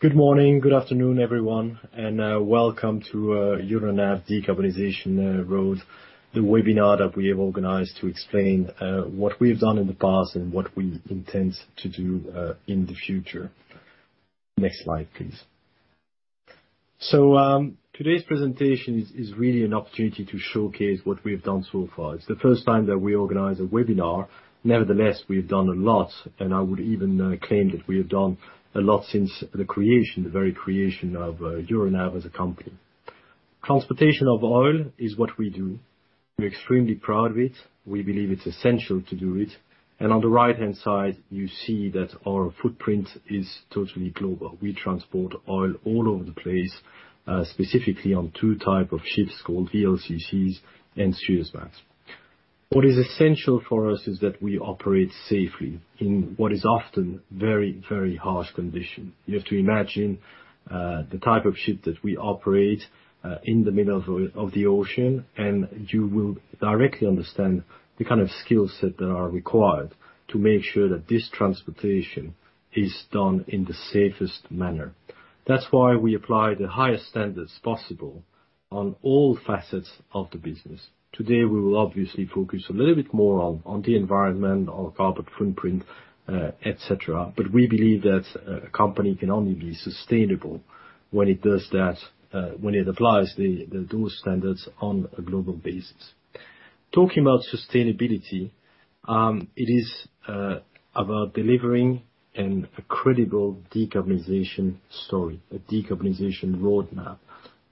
Good morning. Good afternoon, everyone, and welcome to Euronav Decarbonization Road, the webinar that we have organized to explain what we have done in the past and what we intend to do in the future. Next slide, please. Today's presentation is really an opportunity to showcase what we have done so far. It's the first time that we organize a webinar. Nevertheless, we've done a lot, and I would even claim that we have done a lot since the creation, the very creation of Euronav as a company. Transportation of oil is what we do. We're extremely proud of it. We believe it's essential to do it. On the right-hand side you see that our footprint is totally global. We transport oil all over the place, specifically on two type of ships called VLCCs and Suezmax. What is essential for us is that we operate safely in what is often very, very harsh condition. You have to imagine the type of ship that we operate in the middle of the ocean, and you will directly understand the kind of skill set that are required to make sure that this transportation is done in the safest manner. That's why we apply the highest standards possible on all facets of the business. Today, we will obviously focus a little bit more on the environment, on carbon footprint, et cetera. We believe that a company can only be sustainable when it does that, when it applies those standards on a global basis. Talking about sustainability, it is about delivering a credible decarbonization story, a decarbonization roadmap.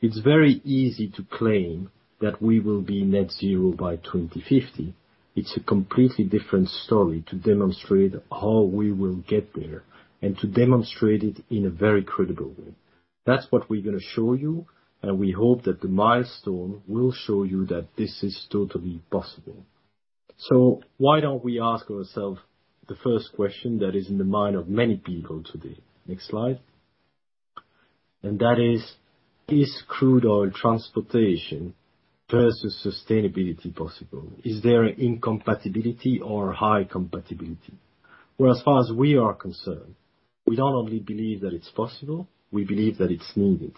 It's very easy to claim that we will be net zero by 2050. It's a completely different story to demonstrate how we will get there and to demonstrate it in a very credible way. That's what we're gonna show you, and we hope that the milestone will show you that this is totally possible. Why don't we ask ourselves the first question that is in the mind of many people today? Next slide. That is crude oil transportation versus sustainability possible? Is there incompatibility or high compatibility? Well, as far as we are concerned, we not only believe that it's possible, we believe that it's needed,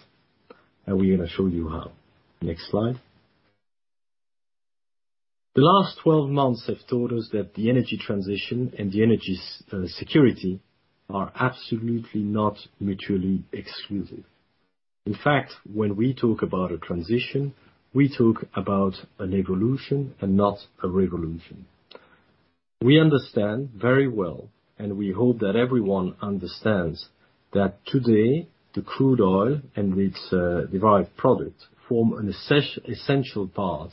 and we're gonna show you how. Next slide. The last 12 months have taught us that the energy transition and the energy security are absolutely not mutually exclusive. In fact, when we talk about a transition, we talk about an evolution and not a revolution. We understand very well, and we hope that everyone understands, that today the crude oil and its derived product form an essential part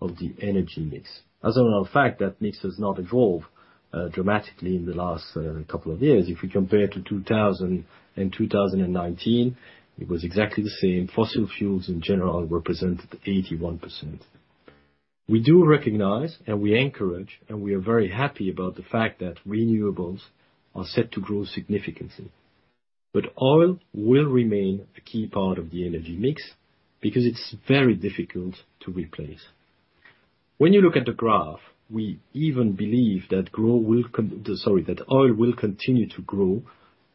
of the energy mix. As a matter of fact, that mix has not evolved dramatically in the last couple of years. If we compare 2000 to 2019, it was exactly the same. Fossil fuels in general represented 81%. We do recognize, and we encourage, and we are very happy about the fact that renewables are set to grow significantly. Oil will remain a key part of the energy mix because it's very difficult to replace. When you look at the graph, we even believe that growth will continue– sorry, that oil will continue to grow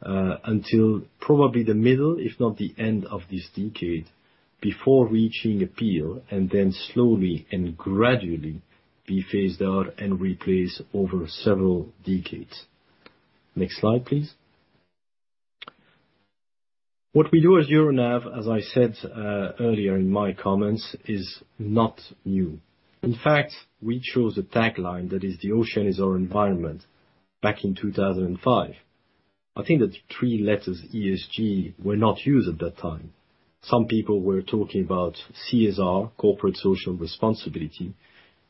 until probably the middle, if not the end of this decade before reaching a peak and then slowly and gradually be phased out and replaced over several decades. Next slide, please. What we do as Euronav, as I said earlier in my comments, is not new. In fact, we chose a tagline that is, "The ocean is our environment," back in 2005. I think the three letters ESG were not used at that time. Some people were talking about CSR, corporate social responsibility,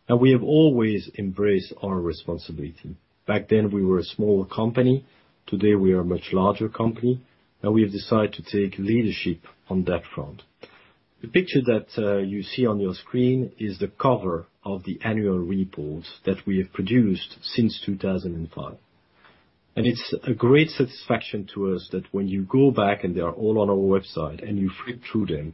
and we have always embraced our responsibility. Back then, we were a smaller company. Today, we are a much larger company, and we have decided to take leadership on that front. The picture that you see on your screen is the cover of the Annual Report that we have produced since 2005. It's a great satisfaction to us that when you go back, and they are all on our website, and you flip through them,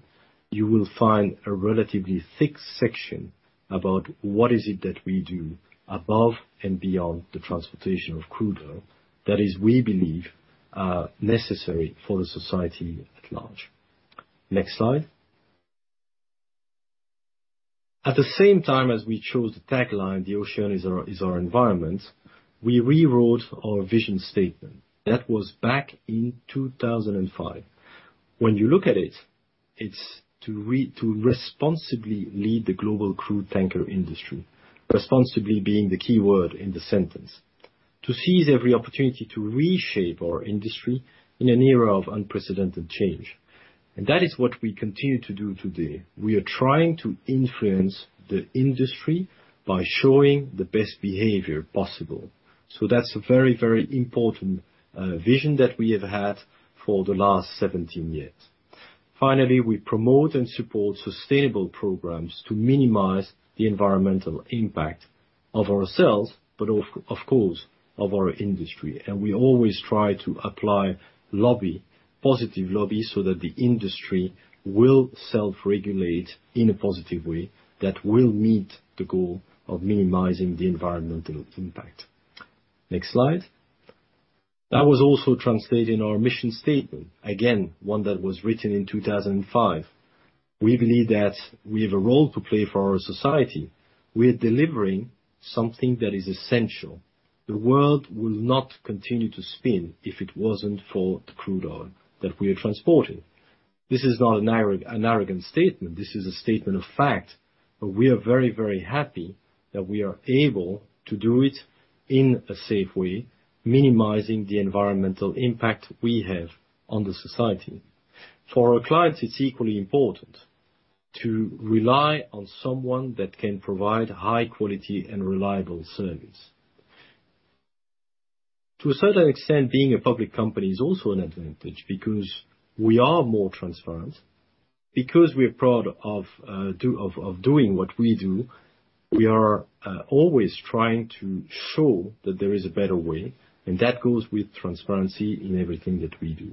you will find a relatively thick section about what is it that we do above and beyond the transportation of crude oil that is, we believe, necessary for the society at large. Next slide. At the same time as we chose the tagline, "The ocean is our environment," we rewrote our vision statement. That was back in 2005. When you look at it's to responsibly lead the global crude tanker industry. Responsibly being the key word in the sentence. To seize every opportunity to reshape our industry in an era of unprecedented change. That is what we continue to do today. We are trying to influence the industry by showing the best behavior possible. That's a very, very important vision that we have had for the last 17 years. Finally, we promote and support sustainable programs to minimize the environmental impact of ourselves, but of course of our industry. We always try to apply lobby, positive lobby, so that the industry will self-regulate in a positive way that will meet the goal of minimizing the environmental impact. Next slide. That was also translated in our mission statement. Again, one that was written in 2005. We believe that we have a role to play for our society. We are delivering something that is essential. The world will not continue to spin if it wasn't for the crude oil that we are transporting. This is not an arrogant statement. This is a statement of fact. We are very, very happy that we are able to do it in a safe way, minimizing the environmental impact we have on the society. For our clients, it's equally important to rely on someone that can provide high quality and reliable service. To a certain extent, being a public company is also an advantage because we are more transparent. Because we are proud of doing what we do, we are always trying to show that there is a better way, and that goes with transparency in everything that we do.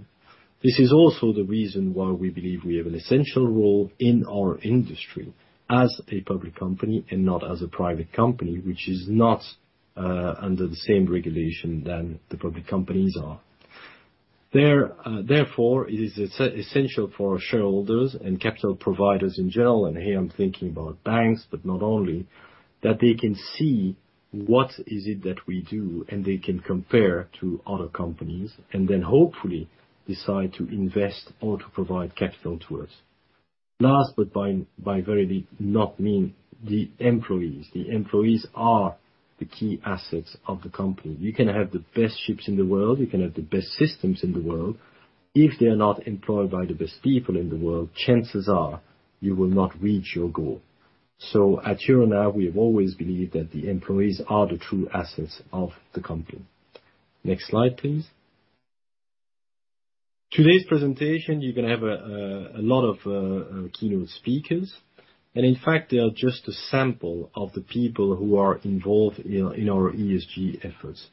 This is also the reason why we believe we have an essential role in our industry as a public company and not as a private company, which is not under the same regulation than the public companies are. Therefore, it is essential for our shareholders and capital providers in general, and here I'm thinking about banks, but not only, that they can see what is it that we do, and they can compare to other companies, and then hopefully decide to invest or to provide capital to us. Last, but by no means, the employees. The employees are the key assets of the company. You can have the best ships in the world, you can have the best systems in the world. If they are not employed by the best people in the world, chances are you will not reach your goal. At Euronav, we have always believed that the employees are the true assets of the company. Next slide, please. Today's presentation, you're gonna have a lot of keynote speakers, and in fact, they are just a sample of the people who are involved in our ESG efforts.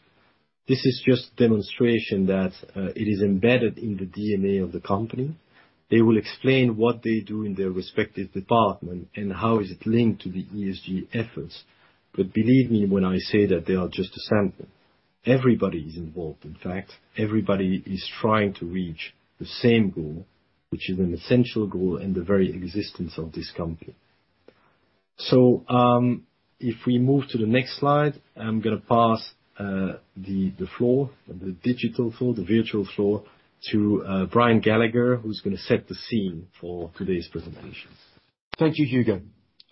This is just demonstration that it is embedded in the DNA of the company. They will explain what they do in their respective department and how is it linked to the ESG efforts. Believe me when I say that they are just a sample. Everybody is involved, in fact. Everybody is trying to reach the same goal, which is an essential goal in the very existence of this company. If we move to the next slide, I'm gonna pass the virtual floor to Brian Gallagher, who's gonna set the scene for today's presentation. Thank you, Hugo.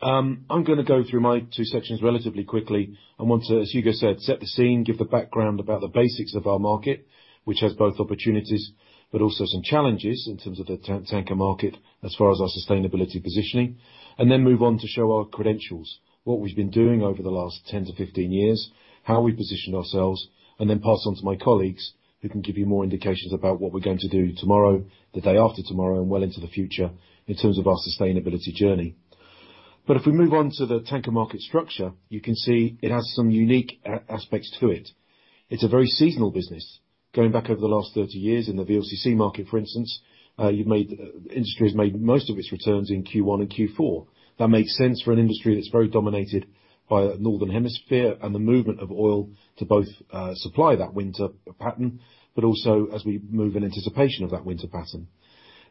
I'm gonna go through my two sections relatively quickly. I want to, as Hugo said, set the scene, give the background about the basics of our market, which has both opportunities but also some challenges in terms of the tanker market as far as our sustainability positioning, and then move on to show our credentials, what we've been doing over the last 10-15 years, how we position ourselves, and then pass on to my colleagues, who can give you more indications about what we're going to do tomorrow, the day after tomorrow, and well into the future in terms of our sustainability journey. If we move on to the tanker market structure, you can see it has some unique aspects to it. It's a very seasonal business. Going back over the last 30 years in the VLCC market, for instance, the industry has made most of its returns in Q1 and Q4. That makes sense for an industry that's very dominated by the Northern Hemisphere and the movement of oil to both, supply that winter pattern, but also as we move in anticipation of that winter pattern.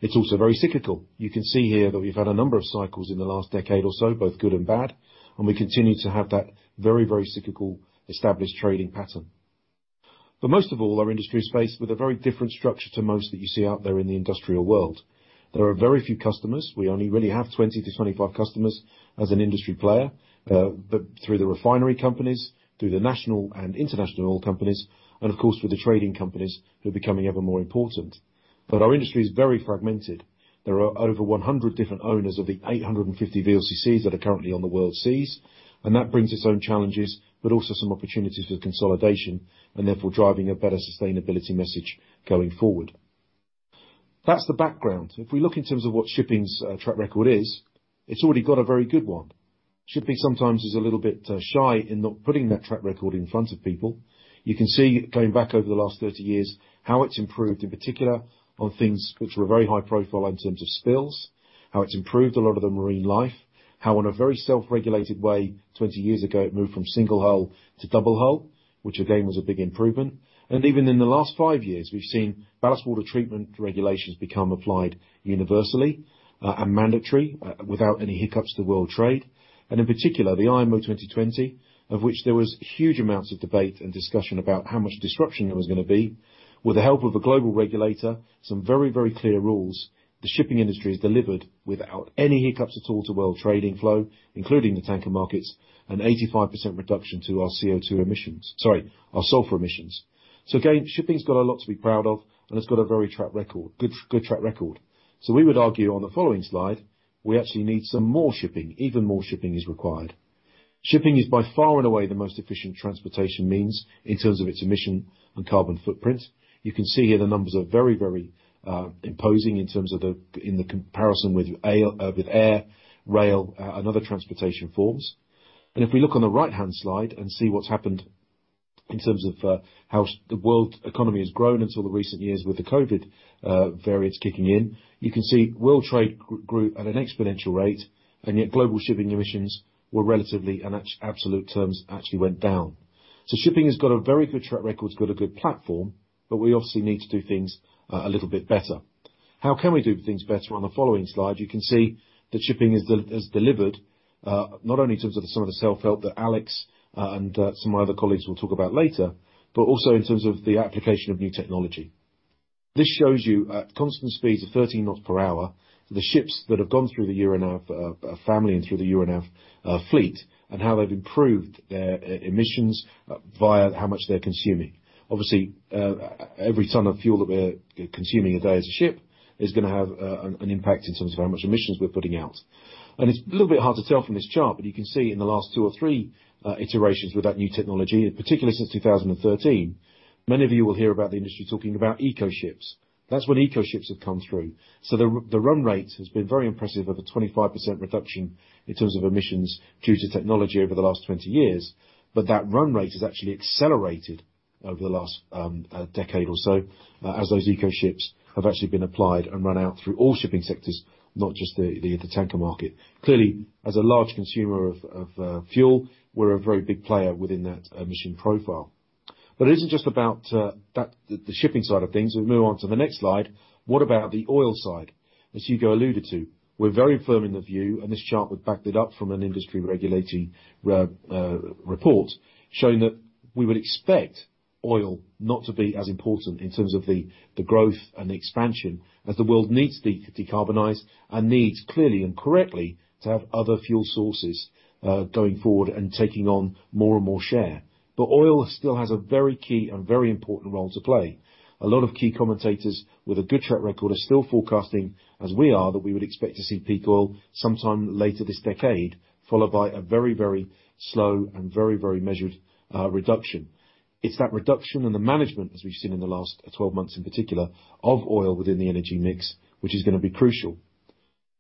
It's also very cyclical. You can see here that we've had a number of cycles in the last decade or so, both good and bad, and we continue to have that very, very cyclical established trading pattern. Most of all, our industry is faced with a very different structure to most that you see out there in the industrial world. There are very few customers. We only really have 20-25 customers as an industry player, but through the refinery companies, through the national and international oil companies, and of course, for the trading companies who are becoming ever more important. Our industry is very fragmented. There are over 100 different owners of the 850 VLCCs that are currently on the world seas, and that brings its own challenges, but also some opportunities for consolidation, and therefore, driving a better sustainability message going forward. That's the background. If we look in terms of what shipping's track record is, it's already got a very good one. Shipping sometimes is a little bit shy in not putting that track record in front of people. You can see going back over the last 30 years, how it's improved in particular on things which were very high profile in terms of spills, how it's improved a lot of the marine life, how in a very self-regulated way, 20 years ago, it moved from single hull to double hull, which again, was a big improvement. Even in the last five years, we've seen ballast water treatment regulations become applied universally, and mandatory, without any hiccups to world trade. In particular, the IMO 2020, of which there was huge amounts of debate and discussion about how much disruption there was gonna be. With the help of a global regulator, some very, very clear rules, the shipping industry has delivered, without any hiccups at all to world trading flow, including the tanker markets, an 85% reduction to our CO₂ emissions– sorry, our sulfur emissions. Again, shipping's got a lot to be proud of, and it's got a very good track record. We would argue on the following slide, we actually need some more shipping. Even more shipping is required. Shipping is by far and away the most efficient transportation means in terms of its emission and carbon footprint. You can see here the numbers are very imposing in terms of the comparison with air, rail, and other transportation forms. If we look on the right-hand slide and see what's happened in terms of how the world economy has grown until the recent years with the COVID variants kicking in, you can see world trade grew at an exponential rate, and yet global shipping emissions were relatively, and absolute terms, actually went down. Shipping has got a very good track record. It's got a good platform, but we obviously need to do things a little bit better. How can we do things better? On the following slide, you can see that shipping has delivered, not only in terms of some of the self-help that Alex Staring and some of my other colleagues will talk about later, but also in terms of the application of new technology. This shows you at constant speeds of 30 knots per hour, the ships that have gone through the year and a half fleet and how they've improved their emissions via how much they're consuming. Obviously, every ton of fuel that we're consuming a day as a ship is gonna have an impact in terms of how much emissions we're putting out. It's a little bit hard to tell from this chart, but you can see in the last two or three iterations with that new technology, in particular since 2013, many of you will hear about the industry talking about eco ships. That's when eco ships have come through. The run rate has been very impressive of a 25% reduction in terms of emissions due to technology over the last 20 years, but that run rate has actually accelerated over the last decade or so, as those eco ships have actually been applied and run out through all shipping sectors, not just the tanker market. Clearly, as a large consumer of fuel, we're a very big player within that emission profile. But it isn't just about that, the shipping side of things. We move on to the next slide. What about the oil side? As Hugo alluded to, we're very firm in the view, and this chart would back that up from an industry regulation report, showing that we would expect oil not to be as important in terms of the growth and the expansion as the world needs to decarbonize and needs clearly and correctly to have other fuel sources, going forward and taking on more and more share. But oil still has a very key and very important role to play. A lot of key commentators with a good track record are still forecasting, as we are, that we would expect to see peak oil sometime later this decade, followed by a very slow and very measured reduction. It's that reduction in the management, as we've seen in the last 12 months in particular, of oil within the energy mix, which is gonna be crucial.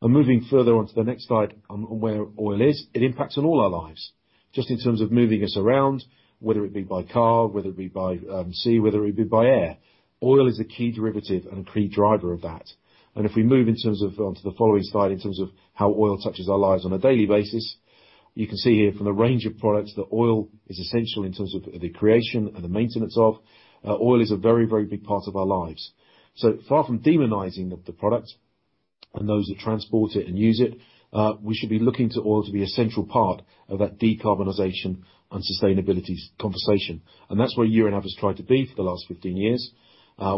Moving further on to the next slide on where oil is, it impacts on all our lives. Just in terms of moving us around, whether it be by car, whether it be by sea, whether it be by air. Oil is a key derivative and a key driver of that. If we move onto the following slide in terms of how oil touches our lives on a daily basis, you can see here from the range of products that oil is essential in terms of the creation and the maintenance of, oil is a very, very big part of our lives. Far from demonizing the product and those that transport it and use it, we should be looking to oil to be a central part of that decarbonization and sustainability conversation. That's where Euronav has tried to be for the last 15 years.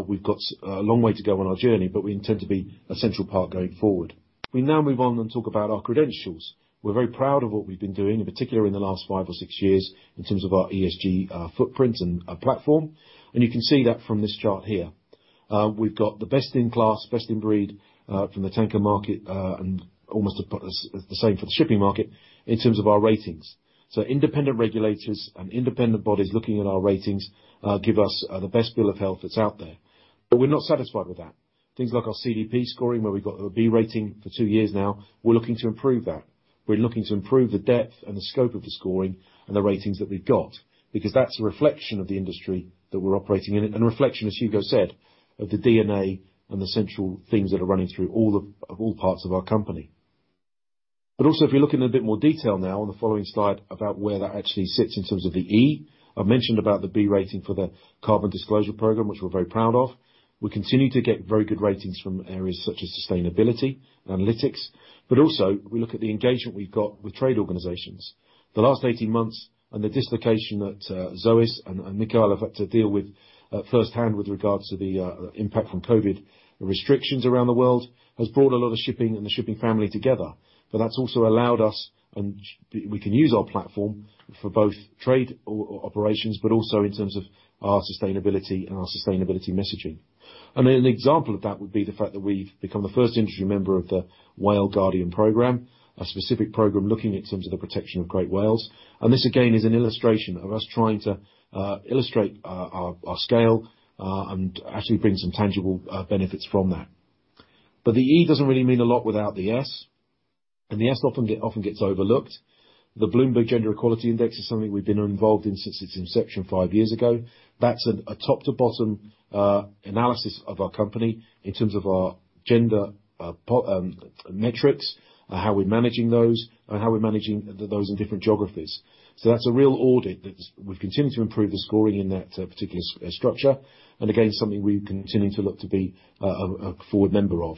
We've got a long way to go on our journey, but we intend to be a central part going forward. We now move on and talk about our credentials. We're very proud of what we've been doing, in particular in the last five or six years, in terms of our ESG footprint and platform. You can see that from this chart here. We've got the best in class, best in breed from the tanker market and almost the same for the shipping market in terms of our ratings. Independent regulators and independent bodies looking at our ratings give us the best bill of health that's out there. We're not satisfied with that. Things like our CDP scoring, where we've got a B rating for two years now, we're looking to improve that. We're looking to improve the depth and the scope of the scoring and the ratings that we've got, because that's a reflection of the industry that we're operating in and a reflection, as Hugo said, of the DNA and the central things that are running through all parts of our company. Also, if you look in a bit more detail now on the following slide about where that actually sits in terms of the ESG. I've mentioned about the B rating for the carbon disclosure program, which we're very proud of. We continue to get very good ratings from areas such as Sustainalytics, but also we look at the engagement we've got with trade organizations. The last 18 months and the dislocation that Zois and Michail have had to deal with firsthand with regards to the impact from COVID, the restrictions around the world has brought a lot of shipping and the shipping family together. That's also allowed us we can use our platform for both trade operations, but also in terms of our sustainability and our sustainability messaging. An example of that would be the fact that we've become the first industry member of the Whale Guardian program, a specific program looking in terms of the protection of great whales. This again is an illustration of us trying to illustrate our scale and actually bring some tangible benefits from that. The E doesn't really mean a lot without the S, and the S often gets overlooked. The Bloomberg Gender-Equality Index is something we've been involved in since its inception five years ago. That's a top to bottom analysis of our company in terms of our gender metrics, how we're managing those and how we're managing those in different geographies. That's a real audit that we've continued to improve the scoring in that particular structure, and again, something we continue to look to be a forward member of.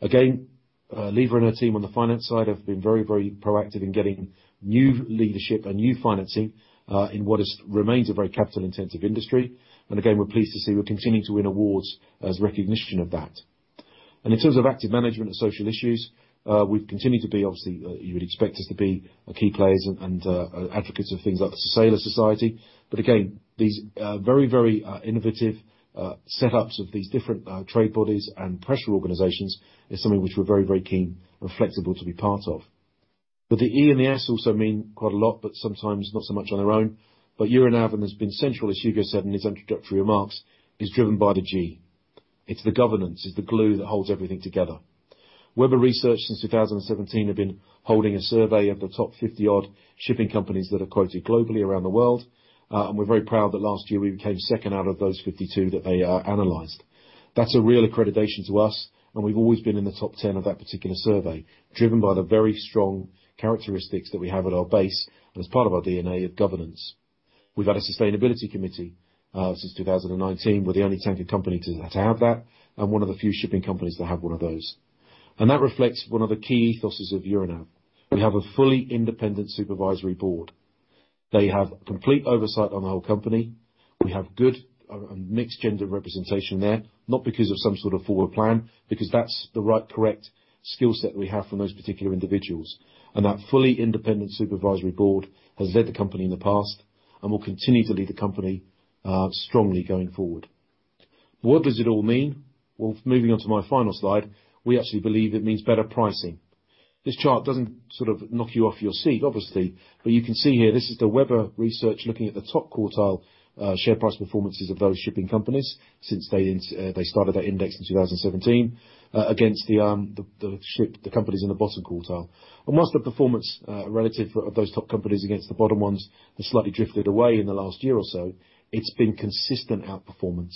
Again, Lieve and her team on the finance side have been very, very proactive in getting new leadership and new financing in what remains a very capital-intensive industry. Again, we're pleased to see we're continuing to win awards as recognition of that. In terms of active management of social issues, we've continued to be, obviously, you would expect us to be key players and advocates of things like the Sailors' Society. Again, these very innovative setups of these different trade bodies and pressure organizations is something which we're very keen and flexible to be part of. The E and the S also mean quite a lot, but sometimes not so much on their own. Euronav has been central, as Hugo said in his introductory remarks, is driven by the G. It's the governance, it's the glue that holds everything together. Webber Research since 2017 have been holding a survey of the top 50-odd shipping companies that are quoted globally around the world. We're very proud that last year we came second out of those 52 that they analyzed. That's a real accreditation to us, and we've always been in the top 10 of that particular survey, driven by the very strong characteristics that we have at our base and as part of our DNA of governance. We've had a Sustainability Committee since 2019. We're the only tanker company to have that, and one of the few shipping companies to have one of those. That reflects one of the key ethoses of Euronav. We have a fully independent Supervisory Board. They have complete oversight on the whole company. We have good mixed gender representation there, not because of some sort of forward plan, because that's the right, correct skill set that we have from those particular individuals. That fully independent Supervisory Board has led the company in the past and will continue to lead the company strongly going forward. What does it all mean? Well, moving on to my final slide, we actually believe it means better pricing. This chart doesn't sort of knock you off your seat, obviously, but you can see here, this is the Weber research looking at the top quartile share price performances of those shipping companies since they started that index in 2017 against the companies in the bottom quartile. Most of the performance relative of those top companies against the bottom ones has slightly drifted away in the last year or so. It's been consistent outperformance.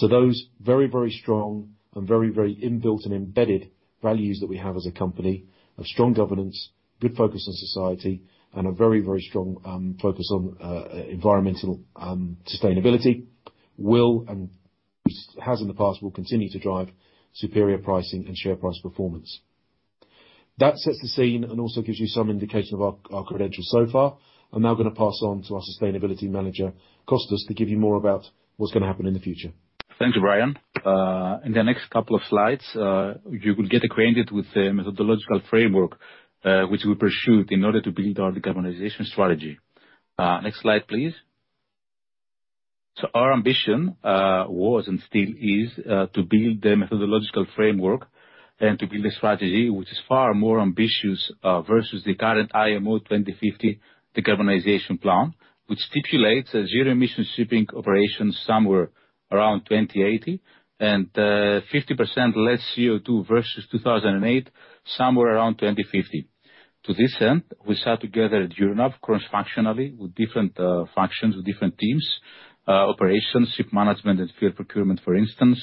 Those very, very strong and very, very inbuilt and embedded values that we have as a company of strong governance, good focus on society, and a very, very strong focus on environmental sustainability will and has in the past, will continue to drive superior pricing and share price performance. That sets the scene and also gives you some indication of our credentials so far. I'm now gonna pass on to our Sustainability Manager, Konstantinos, to give you more about what's gonna happen in the future. Thank you, Brian. In the next couple of slides, you will get acquainted with the methodological framework, which we pursue in order to build our decarbonization strategy. Next slide, please. Our ambition was and still is to build the methodological framework and to build a strategy which is far more ambitious versus the current IMO 2050 decarbonization plan, which stipulates a zero-emission shipping operation somewhere around 2080 and 50% less CO₂ versus 2008, somewhere around 2050. To this end, we sat together at Euronav cross-functionally with different functions, with different teams, operations, ship management and fuel procurement, for instance,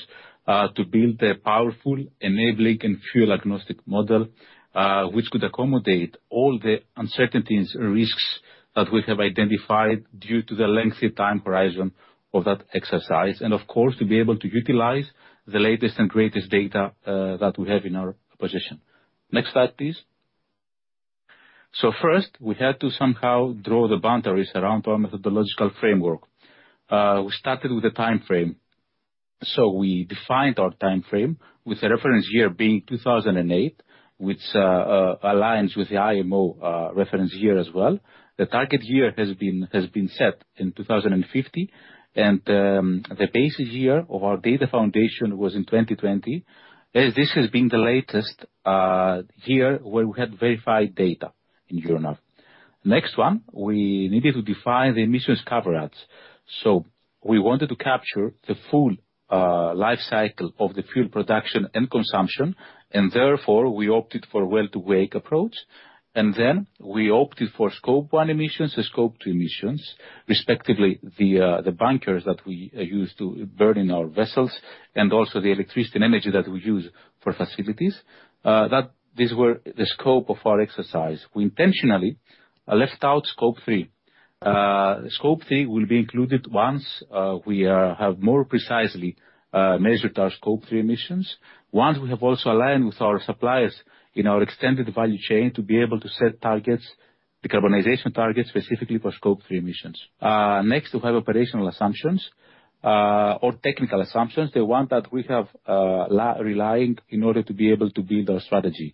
to build a powerful enabling and fuel-agnostic model, which could accommodate all the uncertainties and risks that we have identified due to the lengthy time horizon of that exercise, and of course, to be able to utilize the latest and greatest data that we have in our position. Next slide, please. First, we had to somehow draw the boundaries around our methodological framework. We started with the timeframe. We defined our timeframe with the reference year being 2008, which aligns with the IMO reference year as well. The target year has been set in 2050. The base year of our data foundation was in 2020, as this has been the latest year where we had verified data in Euronav. Next one, we needed to define the emissions coverage. We wanted to capture the full life cycle of the fuel production and consumption, and therefore we opted for well-to-wake approach. We opted for Scope 1 emissions to Scope 2 emissions, respectively, the bunkers that we use to burn in our vessels, and also the electricity and energy that we use for facilities, that these were the scope of our exercise. We intentionally left out Scope 3. Scope 3 will be included once we have more precisely measured our Scope 3 emissions. Once we have also aligned with our suppliers in our extended value chain to be able to set targets, decarbonization targets, specifically for Scope 3 emissions. Next, we have operational assumptions or technical assumptions, the ones that we are relying on in order to be able to build our strategy.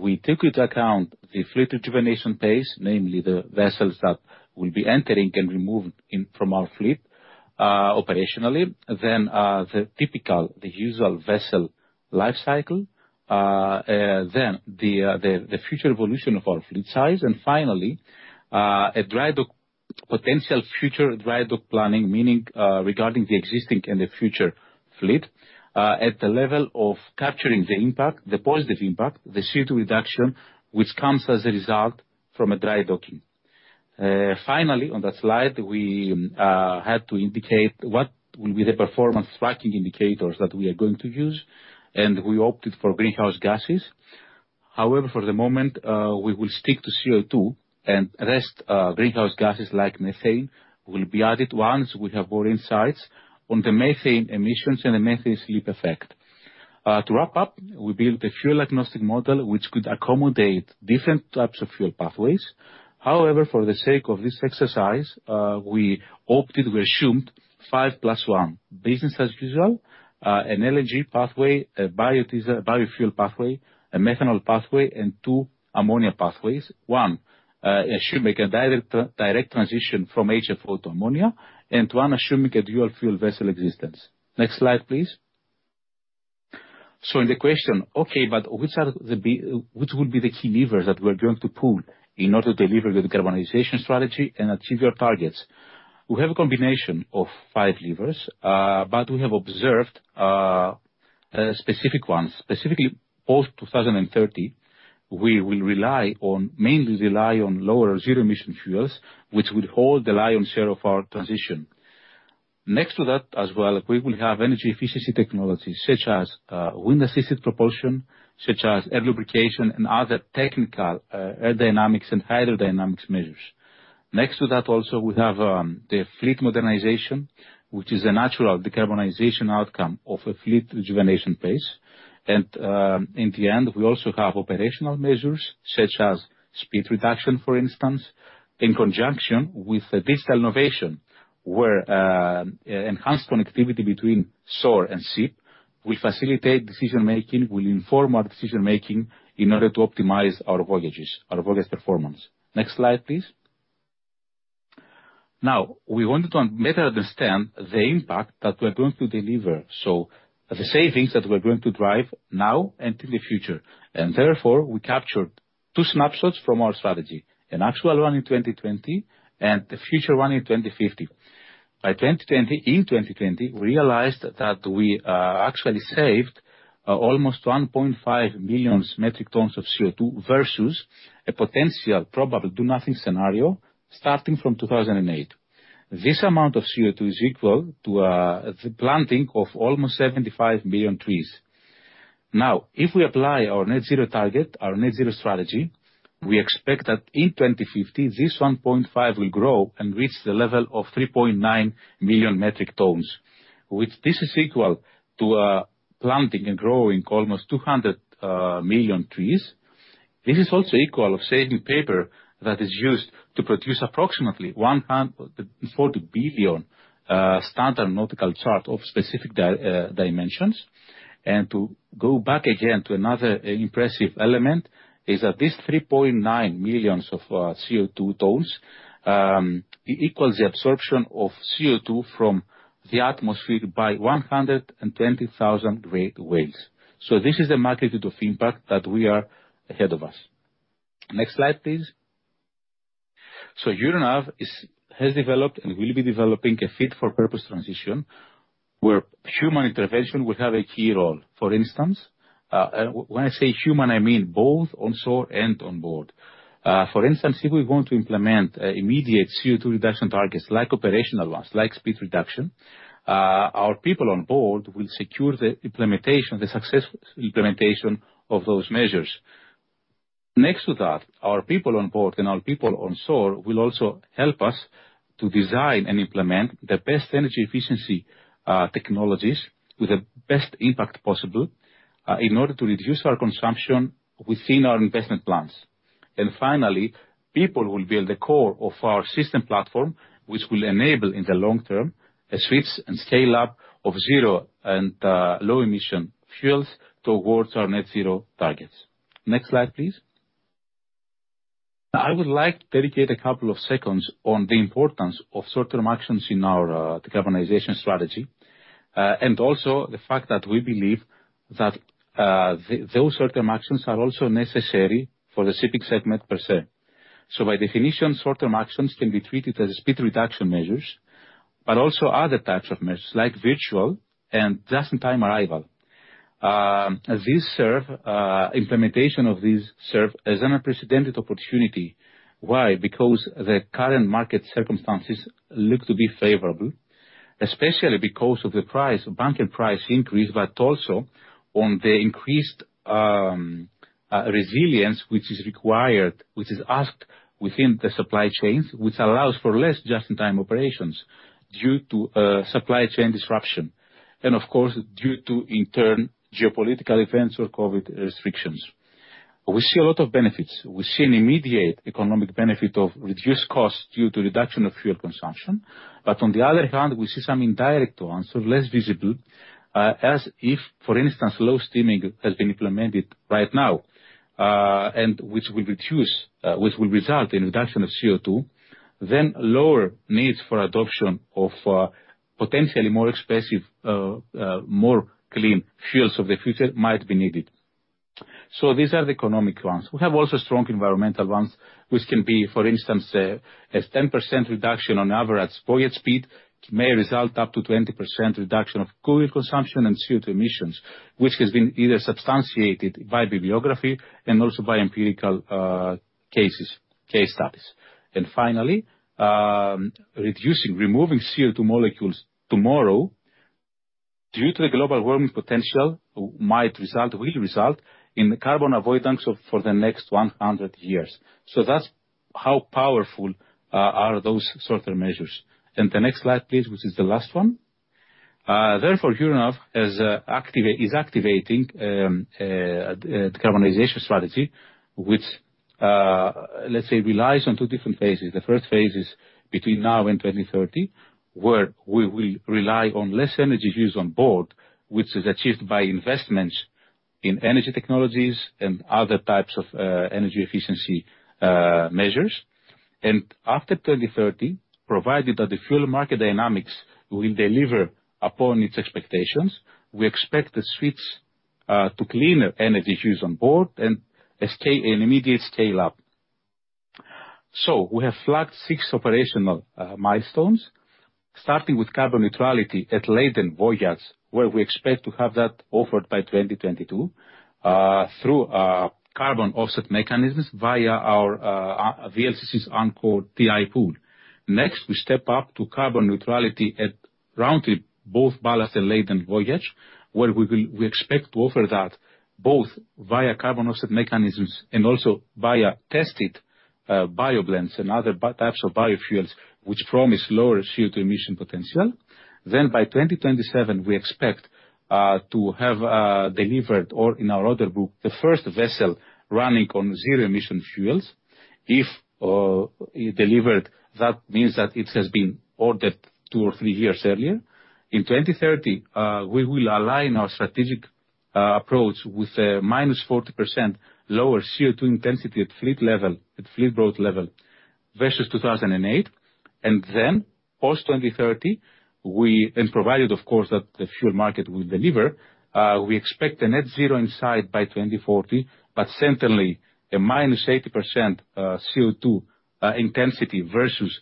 We take into account the fleet rejuvenation pace, namely the vessels that will be entering and removed from our fleet operationally. The typical usual vessel life cycle. The future evolution of our fleet size. Finally, drydock potential future drydock planning, meaning regarding the existing and the future fleet at the level of capturing the impact, the positive impact, the CO₂ reduction, which comes as a result from a drydocking. Finally, on that slide, we had to indicate what will be the performance tracking indicators that we are going to use, and we opted for greenhouse gases. However, for the moment, we will stick to CO₂, and the rest of the greenhouse gases like methane will be added once we have more insights on the methane emissions and the methane slip effect. To wrap up, we built a fuel agnostic model which could accommodate different types of fuel pathways. However, for the sake of this exercise, we assumed five plus one. Business as usual; an LNG pathway; a biodiesel, a biofuel pathway; a methanol pathway; and two ammonia pathways. One should a direct transition from HFO to ammonia, and one to assume a dual-fuel vessel existence. Next slide, please. In the question, okay, but which are the be Which will be the key levers that we're going to pull in order to deliver the decarbonization strategy and achieve our targets? We have a combination of five levers, but we have observed specific ones, specifically post-2030. We will mainly rely on low- or zero-emission fuels, which would hold the lion's share of our transition. Next to that as well, we will have energy efficiency technologies such as wind-assisted propulsion, such as air lubrication and other technical aerodynamics and hydrodynamics measures. Next to that also we have the fleet modernization, which is a natural decarbonization outcome of a fleet rejuvenation pace. In the end, we also have operational measures such as speed reduction, for instance, in conjunction with digital innovation, where enhanced connectivity between SOR and SIP will facilitate decision-making, will inform our decision-making in order to optimize our voyages, our voyage performance. Next slide, please. Now, we wanted to better understand the impact that we're going to deliver, so the savings that we're going to drive now and in the future. Therefore, we captured two snapshots from our strategy, an actual one in 2020 and the future one in 2050. In 2020, we realized that we actually saved almost 1.5 million metric tons of CO₂ versus a potential probable do nothing scenario starting from 2008. This amount of CO₂ is equal to the planting of almost 75 million trees. Now, if we apply our net zero target, our net zero strategy, we expect that in 2050, this 1.5 will grow and reach the level of 3.9 million metric tons, which this is equal to planting and growing almost 200 million trees. This is also equal of saving paper that is used to produce approximately 140 billion standard nautical charts of specific dimensions. To go back again to another impressive element is that this 3.9 million of CO₂ tons equals the absorption of CO₂ from the atmosphere by 120,000 great whales. This is the magnitude of impact that we are ahead of us. Next slide, please. Euronav is, has developed and will be developing a fit-for-purpose transition, where human intervention will have a key role. For instance, when I say human, I mean both on shore and on board. For instance, if we want to implement immediate CO₂ reduction targets like operational ones, like speed reduction, our people on board will secure the successful implementation of those measures. Next to that, our people on board and our people on shore will also help us to design and implement the best energy efficiency technologies with the best impact possible, in order to reduce our consumption within our investment plans. Finally, people will be at the core of our system platform, which will enable, in the long term, a switch and scale up of zero and low-emission fuels towards our net zero targets. Next slide, please. Now I would like to dedicate a couple of seconds on the importance of short-term actions in our decarbonization strategy. Also the fact that we believe that those short-term actions are also necessary for the shipping segment per se. By definition, short-term actions can be treated as speed reduction measures, but also other types of measures like virtual and just-in-time arrival. Implementation of these serve as an unprecedented opportunity. Why? Because the current market circumstances look to be favorable, especially because of the bunker price increase, but also on the increased resilience which is required, which is asked within the supply chains, which allows for less just-in-time operations due to supply chain disruption, and of course, due to, in turn, geopolitical events or COVID restrictions. We see a lot of benefits. We see an immediate economic benefit of reduced costs due to reduction of fuel consumption. On the other hand, we see some indirect ones, so less visible, as, for instance, slow steaming has been implemented right now, and which will result in reduction of CO₂, then lower needs for adoption of potentially more expensive, more clean fuels of the future might be needed. These are the economic ones. We have also strong environmental ones, which can be, for instance, as 10% reduction on average voyage speed may result up to 20% reduction of fuel consumption and CO₂ emissions, which has been either substantiated by bibliography and also by empirical cases, case studies. Finally, removing CO₂ molecules tomorrow due to the global warming potential will result in the carbon avoidance for the next 100 years. That's how powerful are those sort of measures. The next slide, please, which is the last one. Therefore, Euronav is activating decarbonization strategy, which let's say relies on two different phases. The first phase is between now and 2030, where we will rely on less energy use on board, which is achieved by investments in energy technologies and other types of energy efficiency measures. After 2030, provided that the fuel market dynamics will deliver upon its expectations, we expect the switch to cleaner energy use on board and an immediate scale up. We have flagged six operational milestones, starting with carbon neutrality at laden voyage, where we expect to have that offered by 2022 through carbon offset mechanisms via our VLCCs in the TI pool. Next, we step up to carbon neutrality at round trip, both ballast and laden voyage, where we expect to offer that both via carbon offset mechanisms and also via tested bio blends and other types of biofuels which promise lower CO₂ emission potential. By 2027, we expect to have delivered or in our order book, the first vessel running on zero emission fuels. If delivered, that means that it has been ordered two or three years earlier. In 2030, we will align our strategic approach with a -40% lower CO₂ intensity at fleet level, at fleet growth level versus 2008. Post 2030 provided of course that the fuel market will deliver, we expect a net zero in sight by 2040, but certainly a -80% CO₂ intensity versus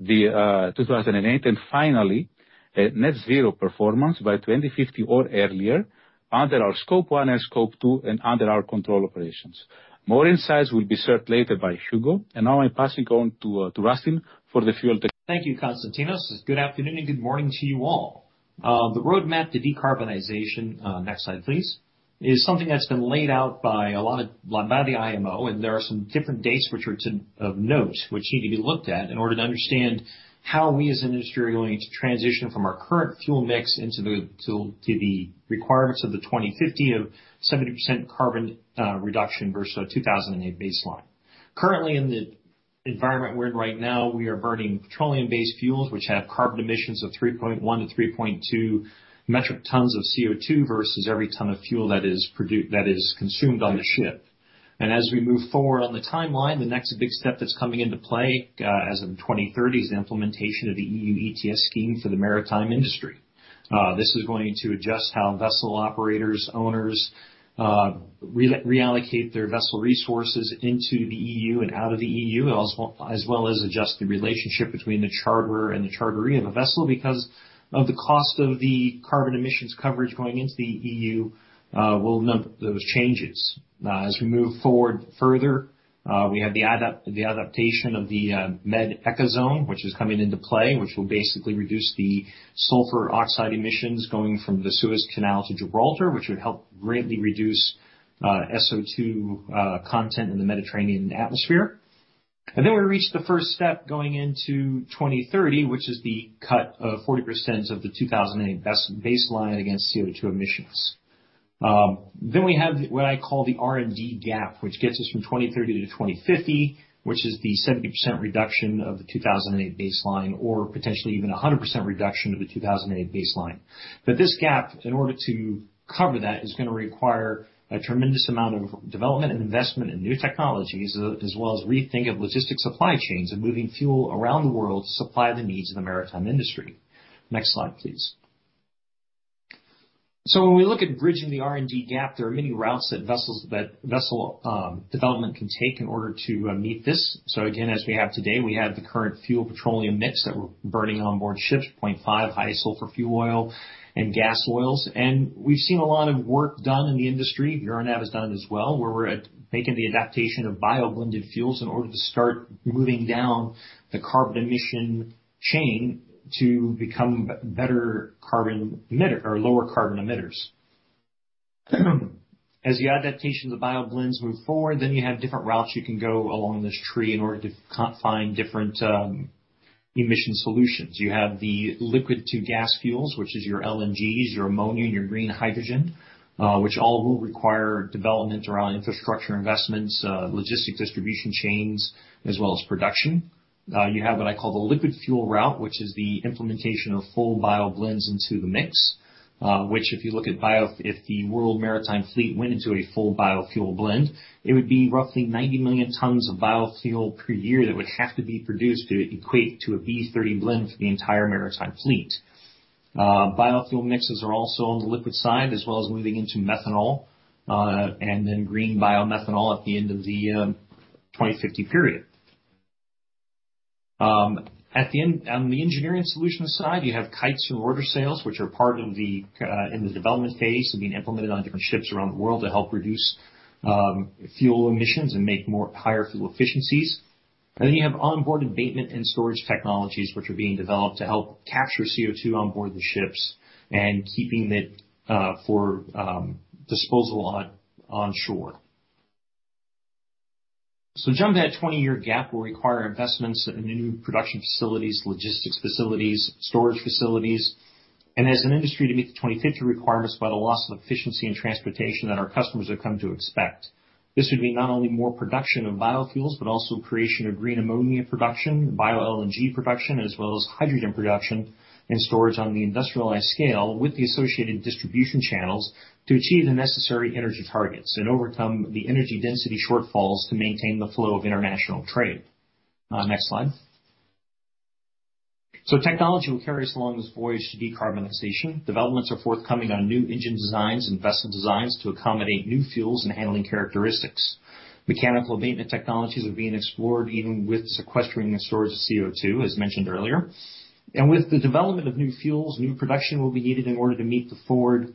the 2008. Finally, a net zero performance by 2050 or earlier under our Scope 1 and Scope 2 and under our control operations. More insights will be served later by Hugo. Now I pass you on to Rustin for the fuel tech– Thank you, Konstantinos. Good afternoon and good morning to you all. The roadmap to decarbonization, next slide please, is something that's been laid out by the IMO, and there are some different dates which are of note, which need to be looked at in order to understand how we as an industry are going to transition from our current fuel mix to the requirements of the 2050 of 70% carbon reduction versus a 2008 baseline. Currently in the environment we're in right now, we are burning petroleum-based fuels which have carbon emissions of 3.1-3.2 metric tons of CO₂ versus every ton of fuel that is consumed on the ship. As we move forward on the timeline, the next big step that's coming into play as of 2030 is the implementation of the EU ETS scheme for the maritime industry. This is going to adjust how vessel operators, owners reallocate their vessel resources into the EU and out of the EU, as well as adjust the relationship between the charterer and the owner of a vessel because of the cost of the carbon emissions coverage going into the EU will numb those changes. As we move forward further, we have the adaptation of the Med SECA Zone, which is coming into play, which will basically reduce the sulfur oxide emissions going from the Suez Canal to Gibraltar, which would help greatly reduce SO2 content in the Mediterranean atmosphere. We reach the first step going into 2030, which is the cut of 40% of the 2008 baseline against CO₂ emissions. Then we have what I call the R&D gap, which gets us from 2030 to 2050, which is the 70% reduction of the 2008 baseline or potentially even a 100% reduction of the 2008 baseline. This gap, in order to cover that, is gonna require a tremendous amount of development and investment in new technologies, as well as rethink of logistics supply chains and moving fuel around the world to supply the needs of the maritime industry. Next slide, please. When we look at bridging the R&D gap, there are many routes that vessel development can take in order to meet this. Again, as we have today, we have the current fuel petroleum mix that we're burning on board ships, 0.5 high-sulfur fuel oil and gas oils. We've seen a lot of work done in the industry. Euronav has done it as well, where we're at making the adaptation of bio-blended fuels in order to start moving down the carbon emission chain to become better carbon emitter or lower carbon emitters. As the adaptation of the bio blends move forward, then you have different routes you can go along this tree in order to find different emission solutions. You have the liquid to gas fuels, which is your LNGs, your ammonia, and your green hydrogen, which all will require development around infrastructure investments, logistic distribution chains, as well as production. You have what I call the liquid fuel route, which is the implementation of full bio blends into the mix, which if you look at bio– if the world maritime fleet went into a full biofuel blend, it would be roughly 90 million tons of biofuel per year that would have to be produced to equate to a B30 blend for the entire maritime fleet. Biofuel mixes are also on the liquid side, as well as moving into methanol, and then green biomethanol at the end of the 2050 period. At the end, on the engineering solutions side, you have kites and rotor sails, which are in the development phase and being implemented on different ships around the world to help reduce fuel emissions and make for higher fuel efficiencies. You have onboard abatement and storage technologies, which are being developed to help capture CO₂ onboard the ships and keeping it for disposal onshore. Jumping that 20-year gap will require investments in the new production facilities, logistics facilities, storage facilities. As an industry, to meet the 2050 requirements without the loss of efficiency and transportation that our customers have come to expect, this would be not only more production of biofuels, but also creation of green ammonia production, bio-LNG production, as well as hydrogen production and storage on the industrialized scale with the associated distribution channels to achieve the necessary energy targets and overcome the energy density shortfalls to maintain the flow of international trade. Next slide. Technology will carry us along this voyage to decarbonization. Developments are forthcoming on new engine designs and vessel designs to accommodate new fuels and handling characteristics. Mechanical abatement technologies are being explored, even with sequestering and storage of CO₂, as mentioned earlier. With the development of new fuels, new production will be needed in order to meet the forward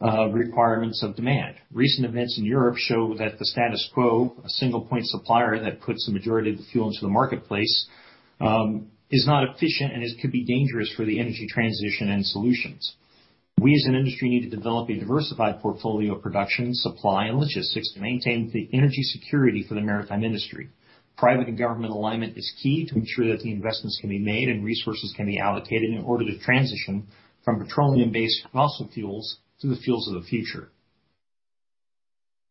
requirements of demand. Recent events in Europe show that the status quo, a single point supplier that puts the majority of the fuel into the marketplace, is not efficient and it could be dangerous for the energy transition and solutions. We as an industry need to develop a diversified portfolio of production, supply, and logistics to maintain the energy security for the maritime industry. Private and government alignment is key to ensure that the investments can be made and resources can be allocated in order to transition from petroleum-based fossil fuels to the fuels of the future.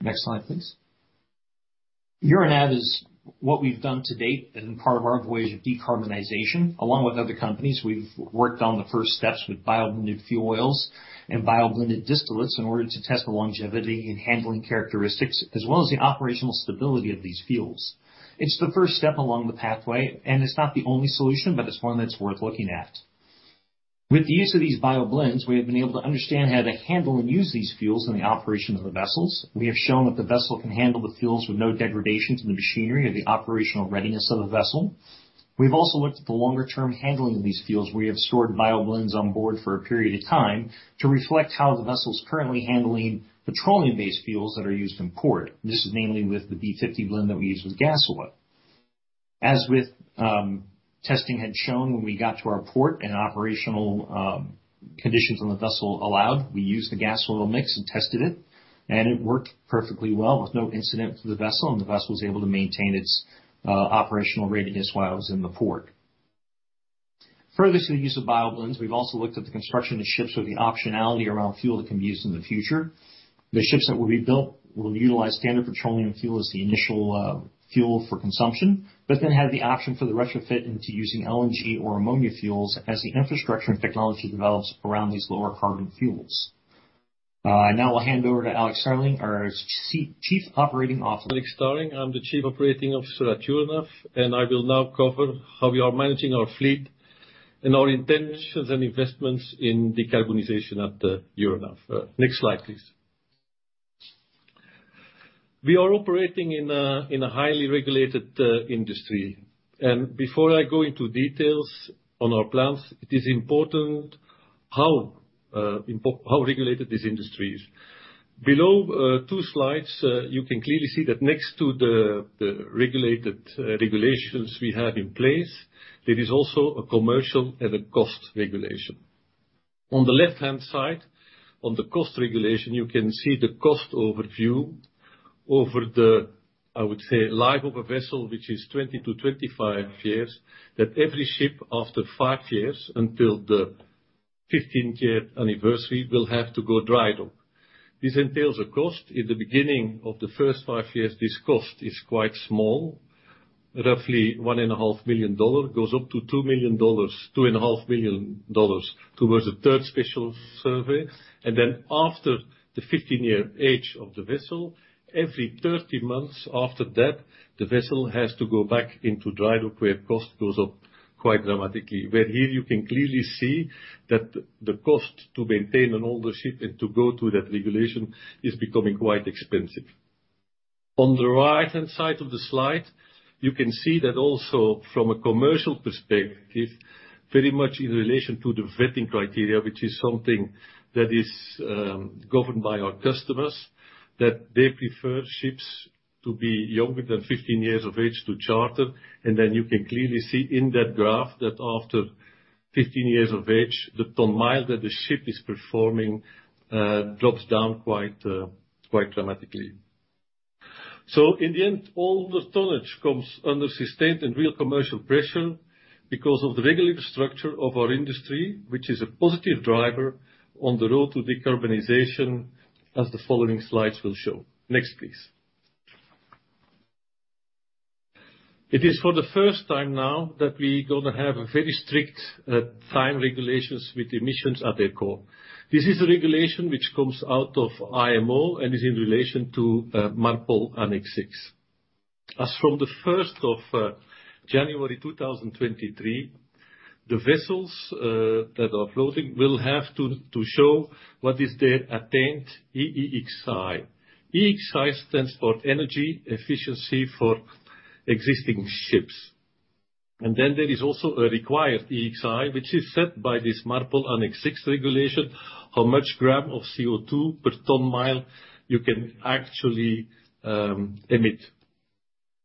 Next slide, please. What we've done to date and part of our voyage of decarbonization, along with other companies, we've worked on the first steps with bio-blended fuel oils and bio-blended distillates in order to test the longevity and handling characteristics, as well as the operational stability of these fuels. It's the first step along the pathway, and it's not the only solution, but it's one that's worth looking at. With the use of these bio-blends, we have been able to understand how to handle and use these fuels in the operation of the vessels. We have shown that the vessel can handle the fuels with no degradation to the machinery or the operational readiness of the vessel. We've also looked at the longer-term handling of these fuels. We have stored bio-blends on board for a period of time to reflect how the vessel is currently handling petroleum-based fuels that are used in port. This is mainly with the B50 blend that we use with gas oil. As testing had shown when we got to our port and operational conditions on the vessel allowed, we used the gas oil mix and tested it, and it worked perfectly well with no incident to the vessel, and the vessel was able to maintain its operational readiness while it was in the port. Further to the use of bio-blends, we've also looked at the construction of ships with the optionality around fuel that can be used in the future. The ships that will be built will utilize standard petroleum fuel as the initial fuel for consumption but then have the option for the retrofit into using LNG or ammonia fuels as the infrastructure and technology develops around these lower carbon fuels. Now I'll hand over to Alex Staring, our Chief Operating Officer. My name is Alex Staring. I'm the Chief Operating Officer at Euronav, and I will now cover how we are managing our fleet and our intentions and investments in decarbonization at Euronav. Next slide, please. We are operating in a highly regulated industry. Before I go into details on our plans, it is important how regulated this industry is. Below two slides, you can clearly see that next to the regulated regulations we have in place, there is also a commercial and a cost regulation. On the left-hand side, on the cost regulation, you can see the cost overview over the, I would say, life of a vessel, which is 20-25 years, that every ship after five years until the 15th year anniversary will have to go dry dock. This entails a cost. In the beginning of the first five years, this cost is quite small, roughly $1.5 million. It goes up to $2 million, $2.5 million towards the third special survey. After the 15-year age of the vessel, every 30 months after that, the vessel has to go back into dry dock, where cost goes up quite dramatically. Here you can clearly see that the cost to maintain an older ship and to go through that regulation is becoming quite expensive. On the right-hand side of the slide, you can see that also from a commercial perspective, very much in relation to the vetting criteria, which is something that is governed by our customers, that they prefer ships to be younger than 15 years of age to charter. You can clearly see in that graph that after 15 years of age, the ton-mile that the ship is performing drops down quite dramatically. In the end, all the tonnage comes under sustained and real commercial pressure because of the regulatory structure of our industry, which is a positive driver on the road to decarbonization, as the following slides will show. Next, please. It is for the first time now that we're gonna have a very strict tight regulations with emissions at their core. This is a regulation which comes out of IMO and is in relation to MARPOL Annex VI. As from the 1st of January 2023, the vessels that are floating will have to show what is their Attained EEXI. EEXI stands for Energy Efficiency for Existing Ships. There is also a required EEXI, which is set by this MARPOL Annex VI regulation, how much gram of CO₂ per ton-mile you can actually emit.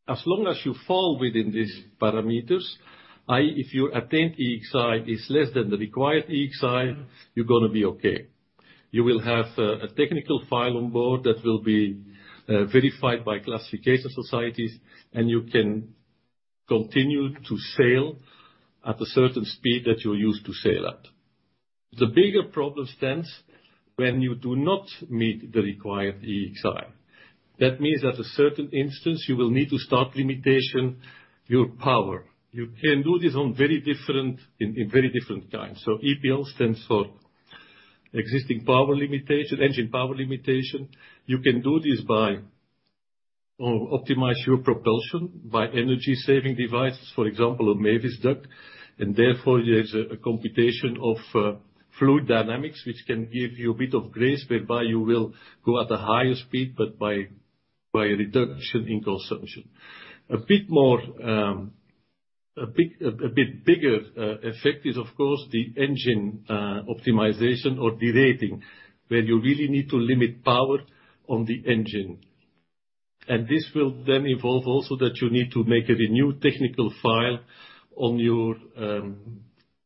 As long as you fall within these parameters, i.e., if your attained EEXI is less than the required EEXI, you're gonna be okay. You will have a technical file on board that will be verified by classification societies, and you can continue to sail at the certain speed that you're used to sail at. The bigger problem stands when you do not meet the required EEXI. That means at a certain instance, you will need to start limitation your power. You can do this in very different times. EPL stands for Engine Power Limitation. You can do this by or optimize your propulsion by energy-saving devices, for example, a Mewis Duct. Therefore, there is computational fluid dynamics which can give you a bit of grace whereby you will go at a higher speed but by a reduction in consumption. A bit bigger effect is of course the engine optimization or derating, where you really need to limit power on the engine. This will then involve also that you need to make a new technical file on your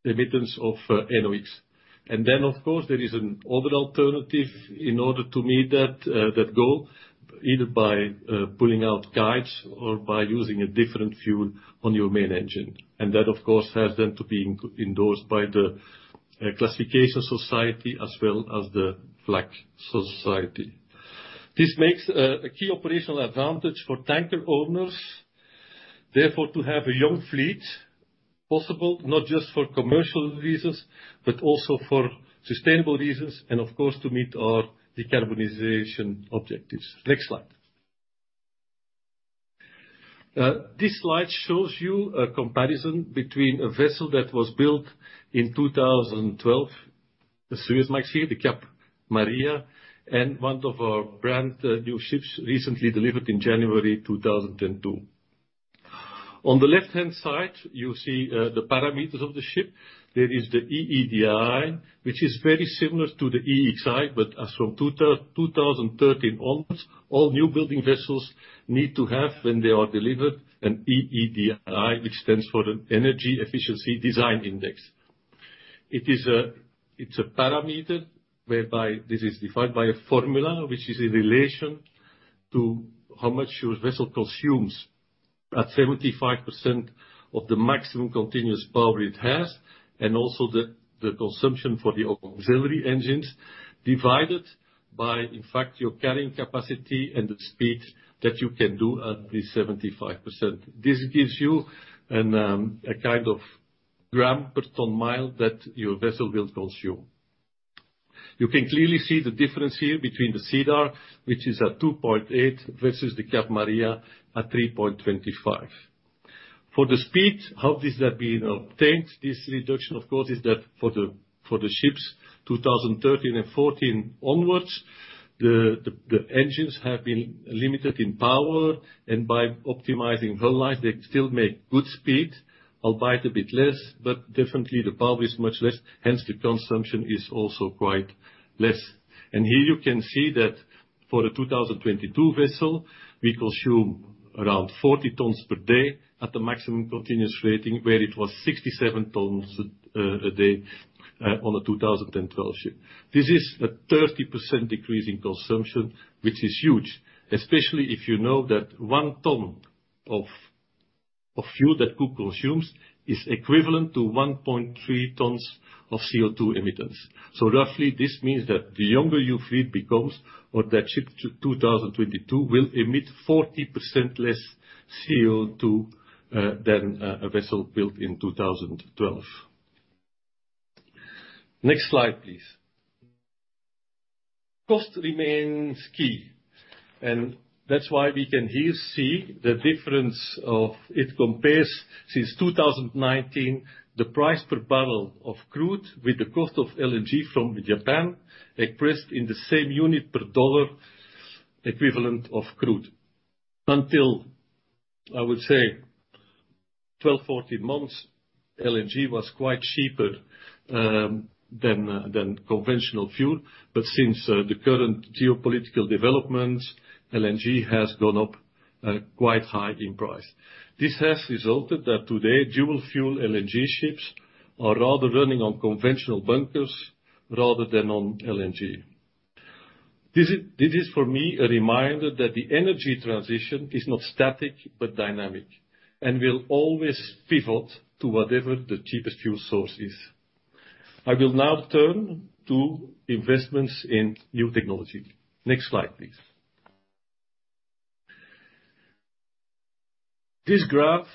emissions of NOx. Of course, there is another alternative in order to meet that goal, either by pulling out guides or by using a different fuel on your main engine. That of course, has then to be endorsed by the classification society as well as the flag society. This makes a key operational advantage for tanker owners, therefore, to have a young fleet possible, not just for commercial reasons, but also for sustainable reasons, and of course, to meet our decarbonization objectives. Next slide. This slide shows you a comparison between a vessel that was built in 2012, the Suezmax here, the Cap Maria, and one of our brand-new ships recently delivered in January 2002. On the left-hand side, you see the parameters of the ship. There is the EEDI, which is very similar to the EEXI, but as from 2013 onwards, all new building vessels need to have when they are delivered, an EEDI, which stands for Energy Efficiency Design Index. It's a parameter whereby this is defined by a formula which is in relation to how much your vessel consumes at 75% of the maximum continuous power it has, and also the consumption for the auxiliary engines divided by, in fact, your carrying capacity and the speed that you can do at this 75%. This gives you a kind of gram per ton-mile that your vessel will consume. You can clearly see the difference here between the Cedar, which is at 2.8, versus the Cap Maria at 3.25. For the speed, how does that been obtained? This reduction of course is that for the ships 2013 and 2014 onwards, the engines have been limited in power, and by optimizing hull lines, they still make good speed, albeit a bit less, but definitely the power is much less, hence the consumption is also quite less. Here you can see that for the 2022 vessel, we consume around 40 tons per day at the maximum continuous rating, where it was 67 tons a day on a 2012 ship. This is a 30% decrease in consumption, which is huge, especially if you know that one ton of fuel that we consume is equivalent to 1.3 tons of CO₂ emittance. Roughly this means that the younger your fleet becomes, or that ship to 2022, will emit 40% less CO₂ than a vessel built in 2012. Next slide, please. Cost remains key, and that's why we can here see the difference of it compares since 2019, the price per barrel of crude with the cost of LNG from Japan, expressed in the same unit per dollar equivalent of crude. Until, I would say 12-14 months, LNG was quite cheaper than conventional fuel. Since the current geopolitical developments, LNG has gone up quite high in price. This has resulted that today, dual-fuel LNG ships are rather running on conventional bunkers rather than on LNG. This is for me a reminder that the energy transition is not static but dynamic and will always pivot to whatever the cheapest fuel source is. I will now turn to investments in new technology. Next slide, please. This graph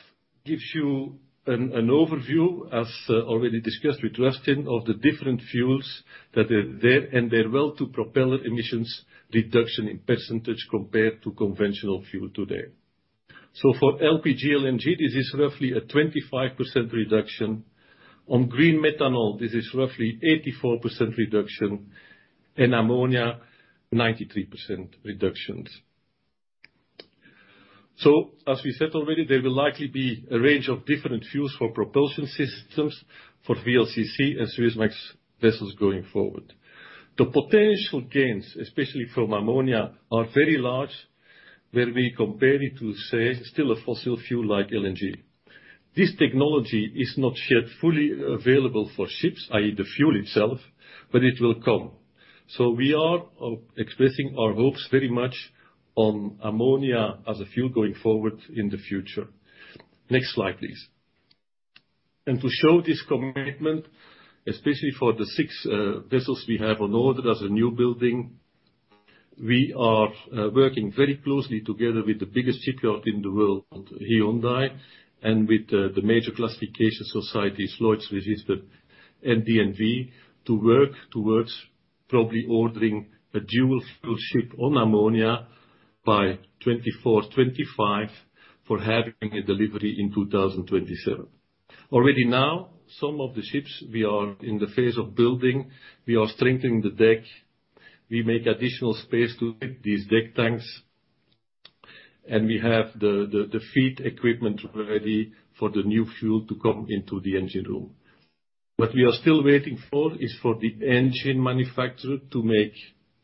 gives you an overview, as already discussed with Rustin, of the different fuels that are there, and their well-to-wake emissions reduction in percentage compared to conventional fuel today. For LPG/LNG, this is roughly a 25% reduction. On green methanol, this is roughly 84% reduction. In ammonia, 93% reductions. As we said already, there will likely be a range of different fuels for propulsion systems for VLCC and Suezmax vessels going forward. The potential gains, especially from ammonia, are very large when we compare it to, say, still a fossil fuel like LNG. This technology is not yet fully available for ships, i.e., the fuel itself, but it will come. We are expressing our hopes very much on ammonia as a fuel going forward in the future. Next slide, please. To show this commitment, especially for the six vessels we have on order as a new building, we are working very closely together with the biggest shipyard in the world, Hyundai, and with the major classification societies, Lloyd's Register and DNV, to work towards probably ordering a dual fuel ship on ammonia by 2024-2025 for having a delivery in 2027. Already now, some of the ships we are in the phase of building, we are strengthening the deck. We make additional space to it, these deck tanks. We have the feed equipment ready for the new fuel to come into the engine room. What we are still waiting for is for the engine manufacturer to make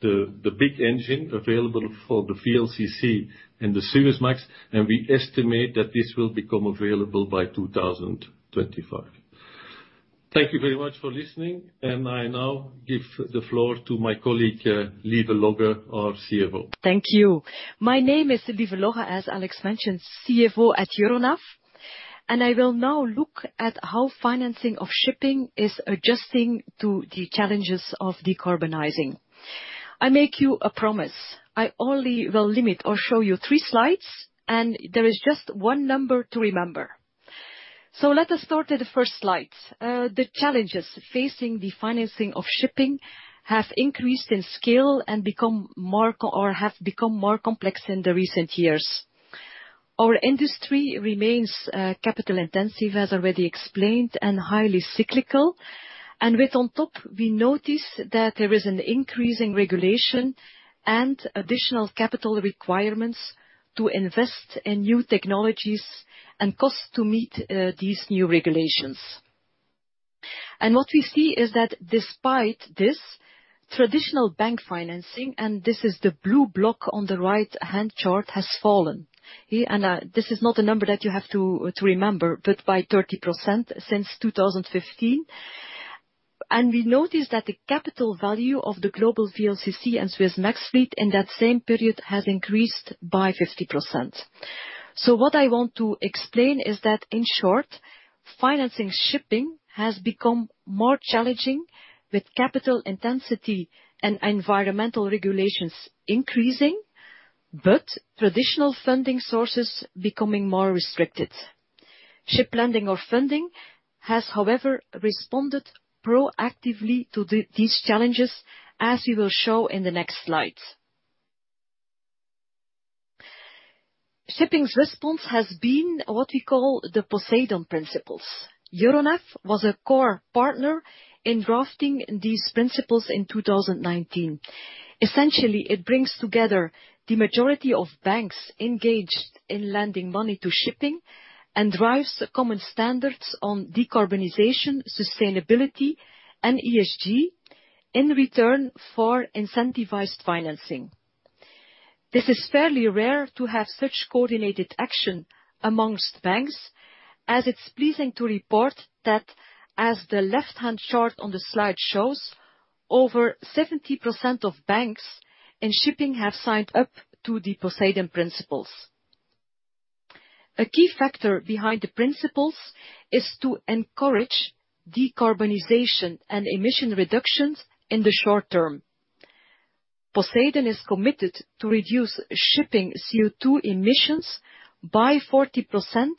the big engine available for the VLCC and the Suezmax, and we estimate that this will become available by 2025. Thank you very much for listening, and I now give the floor to my colleague, Lieve Logghe, our CFO. Thank you. My name is Lieve Logghe, as Alex mentioned, CFO at Euronav. I will now look at how financing of shipping is adjusting to the challenges of decarbonizing. I make you a promise. I only will limit or show you three slides, and there is just one number to remember. Let us start at the first slide. The challenges facing the financing of shipping have become more complex in the recent years. Our industry remains capital-intensive, as already explained, and highly cyclical. With on top, we notice that there is an increasing regulation and additional capital requirements to invest in new technologies and costs to meet these new regulations. What we see is that despite this, traditional bank financing, and this is the blue block on the right-hand chart, has fallen. This is not a number that you have to remember, but by 30% since 2015. We noticed that the capital value of the global VLCC and Suezmax fleet in that same period has increased by 50%. What I want to explain is that, in short, financing shipping has become more challenging with capital intensity and environmental regulations increasing, but traditional funding sources becoming more restricted. Ship lending or funding has, however, responded proactively to these challenges, as we will show in the next slide. Shipping's response has been what we call the Poseidon Principles. Euronav was a core partner in drafting these principles in 2019. Essentially, it brings together the majority of banks engaged in lending money to shipping and drives common standards on decarbonization, sustainability, and ESG in return for incentivized financing. This is fairly rare to have such coordinated action among banks, as it's pleasing to report that, as the left-hand chart on the slide shows, over 70% of banks in shipping have signed up to the Poseidon Principles. A key factor behind the principles is to encourage decarbonization and emission reductions in the short term. Poseidon is committed to reduce shipping CO₂ emissions by 40%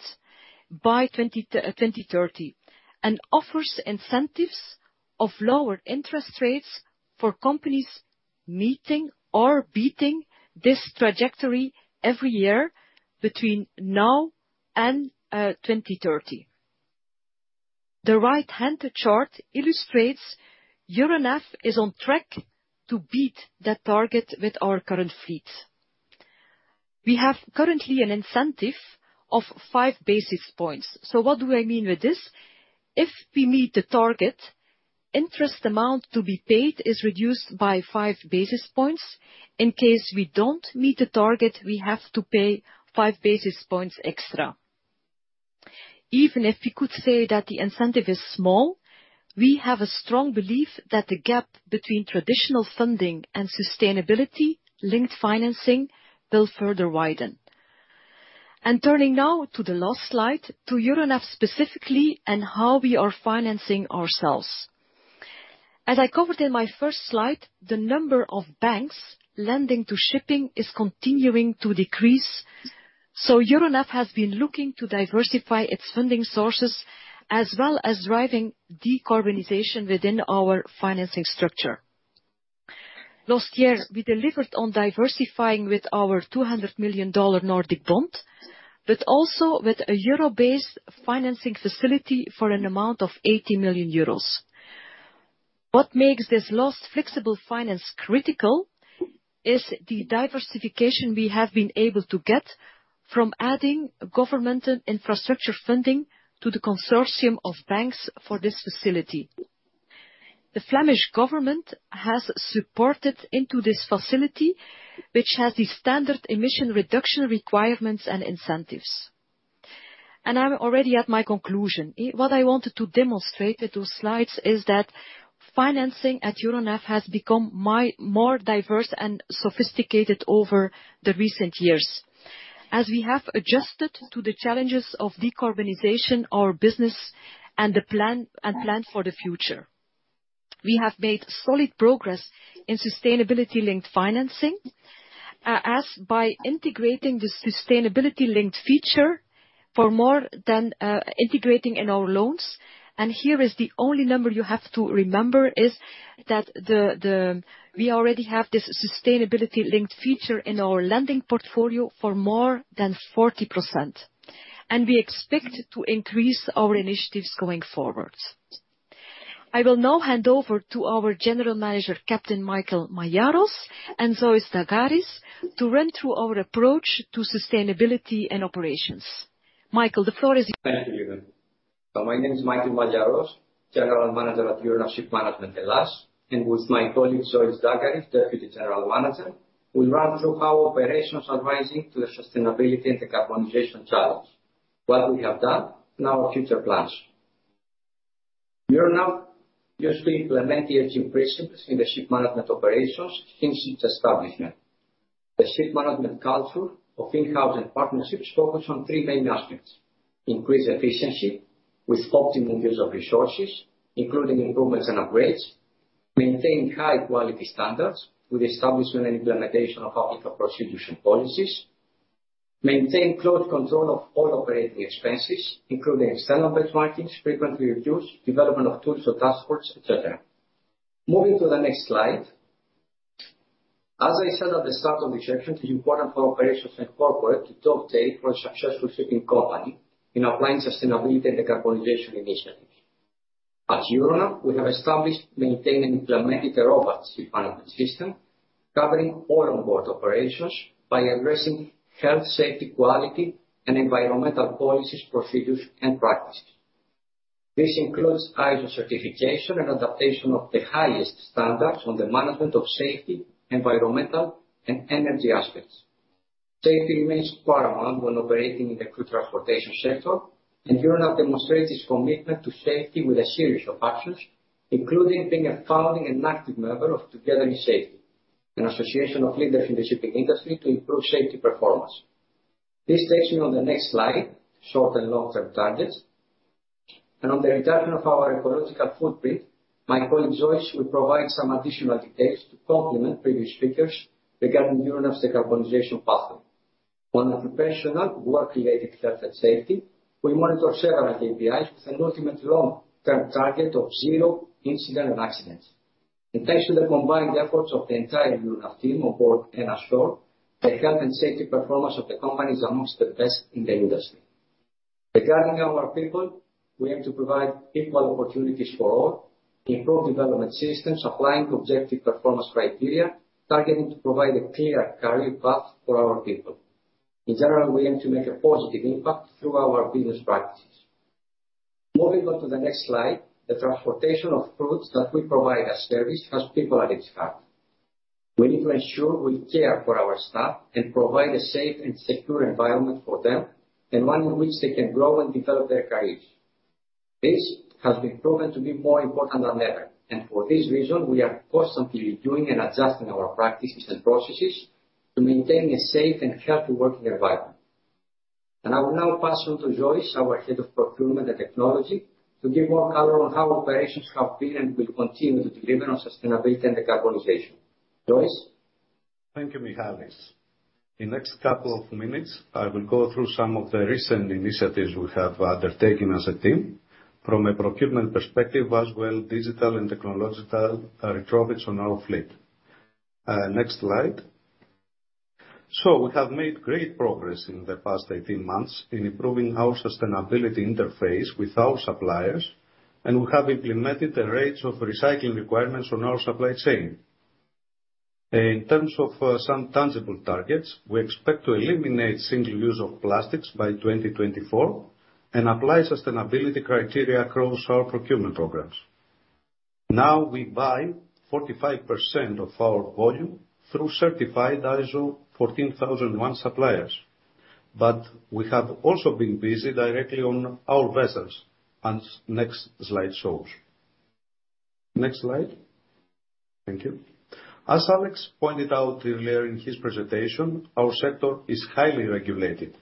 by 2030 and offers incentives of lower interest rates for companies meeting or beating this trajectory every year between now and 2030. The right-hand chart illustrates Euronav is on track to beat that target with our current fleet. We have currently an incentive of 5 basis points. What do I mean with this? If we meet the target, interest amount to be paid is reduced by 5 basis points. In case we don't meet the target, we have to pay 5 basis points extra. Even if we could say that the incentive is small, we have a strong belief that the gap between traditional funding and sustainability-linked financing will further widen. Turning now to the last slide, to Euronav specifically and how we are financing ourselves. As I covered in my first slide, the number of banks lending to shipping is continuing to decrease. Euronav has been looking to diversify its funding sources, as well as driving decarbonization within our financing structure. Last year, we delivered on diversifying with our $200 million Nordic bond, but also with a euro-based financing facility for an amount of 80 million euros. What makes this last flexible finance critical is the diversification we have been able to get from adding government infrastructure funding to the consortium of banks for this facility. The Flemish Government has supported into this facility, which has the standard emission reduction requirements and incentives. I'm already at my conclusion. What I wanted to demonstrate with those slides is that financing at Euronav has become more diverse and sophisticated over the recent years. As we have adjusted to the challenges of decarbonization our business and plan for the future. We have made solid progress in sustainability-linked financing, as by integrating the sustainability-linked feature for more than integrating in our loans. Here is the only number you have to remember, is that we already have this sustainability-linked feature in our lending portfolio for more than 40%, and we expect to increase our initiatives going forward. I will now hand over to our general manager, Captain Michail Malliaros and Zois Dagkaris, to run through our approach to sustainability and operations. Michail, the floor is yours. Thank you, Lieve Logghe. My name is Michail Malliaros, General Manager at Euronav Ship Management Hellas, and with my colleague, Zois Dagkaris, Deputy General Manager, we'll run through how operations are rising to the sustainability and decarbonization challenge, what we have done, and our future plans. Euronav used to implement ESG principles in the ship management operations since its establishment. The ship management culture of in-house and partnerships focus on three main aspects: increase efficiency with optimum use of resources, including improvements and upgrades, maintain high-quality standards with establishment and implementation of article procedure policies, maintain close control of all operating expenses, including external benchmarkings, frequently reviews, development of tools or task force, etc. Moving to the next slide. As I said at the start of the session, it is important for operations and corporate to update for a successful shipping company in applying sustainability and decarbonization initiatives. At Euronav, we have established, maintained, and implemented a robust ship management system covering all onboard operations by addressing health, safety, quality, and environmental policies, procedures, and practices. This includes ISO certification and adaptation of the highest standards on the management of safety, environmental, and energy aspects. Safety remains paramount when operating in the crew transportation sector, and Euronav demonstrates its commitment to safety with a series of actions, including being a founding and active member of Together in Safety, an association of leaders in the shipping industry to improve safety performance. This takes me on the next slide, short and long-term targets. On the return of our ecological footprint, my colleague, Zois, will provide some additional details to complement previous speakers regarding Euronav's decarbonization pathway. On the professional work-related health and safety, we monitor several KPIs with an ultimate long-term target of zero incidents and accidents. Thanks to the combined efforts of the entire Euronav team on board and ashore, the health and safety performance of the company is among the best in the industry. Regarding our people, we aim to provide equal opportunities for all, improve development systems, applying objective performance criteria, targeting to provide a clear career path for our people. In general, we aim to make a positive impact through our business practices. Moving on to the next slide, the transportation of goods that we provide as service has people at its heart. We need to ensure we care for our staff and provide a safe and secure environment for them, and one in which they can grow and develop their careers. This has been proven to be more important than ever, and for this reason, we are constantly reviewing and adjusting our practices and processes to maintain a safe and healthy working environment. I will now pass on to Zois, our Head of Procurement and Technology, to give more color on how operations have been and will continue to deliver on sustainability and decarbonization. Zois? Thank you, Michail. The next couple of minutes, I will go through some of the recent initiatives we have undertaken as a team from a procurement perspective, as well digital and technological retrofits on our fleet. Next slide. We have made great progress in the past 18 months in improving our sustainability interface with our suppliers, and we have implemented a range of recycling requirements on our supply chain. In terms of some tangible targets, we expect to eliminate single use of plastics by 2024 and apply sustainability criteria across our procurement programs. Now, we buy 45% of our volume through certified ISO 14001 suppliers, but we have also been busy directly on our vessels, as next slide shows. Next slide. Thank you. As Alex pointed out earlier in his presentation, our sector is highly regulated,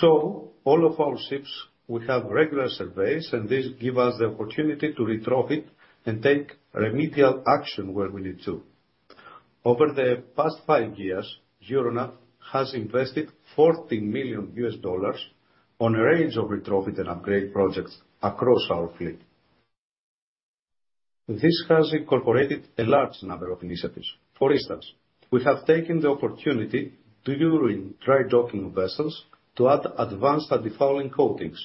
so all of our ships will have regular surveys, and this gives us the opportunity to retrofit and take remedial action where we need to. Over the past five years, Euronav has invested $40 million on a range of retrofit and upgrade projects across our fleet. This has incorporated a large number of initiatives. For instance, we have taken the opportunity during dry docking vessels to add advanced antifouling coatings.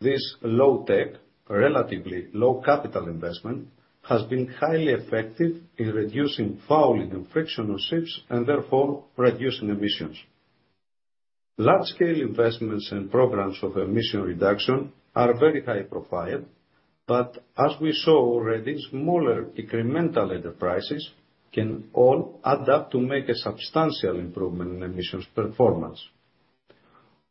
This low-tech, relatively low capital investment, has been highly effective in reducing fouling and friction on ships and therefore reducing emissions. Large-scale investments and programs of emission reduction are very high profile, but as we saw already, smaller incremental enterprises can all add up to make a substantial improvement in emissions performance.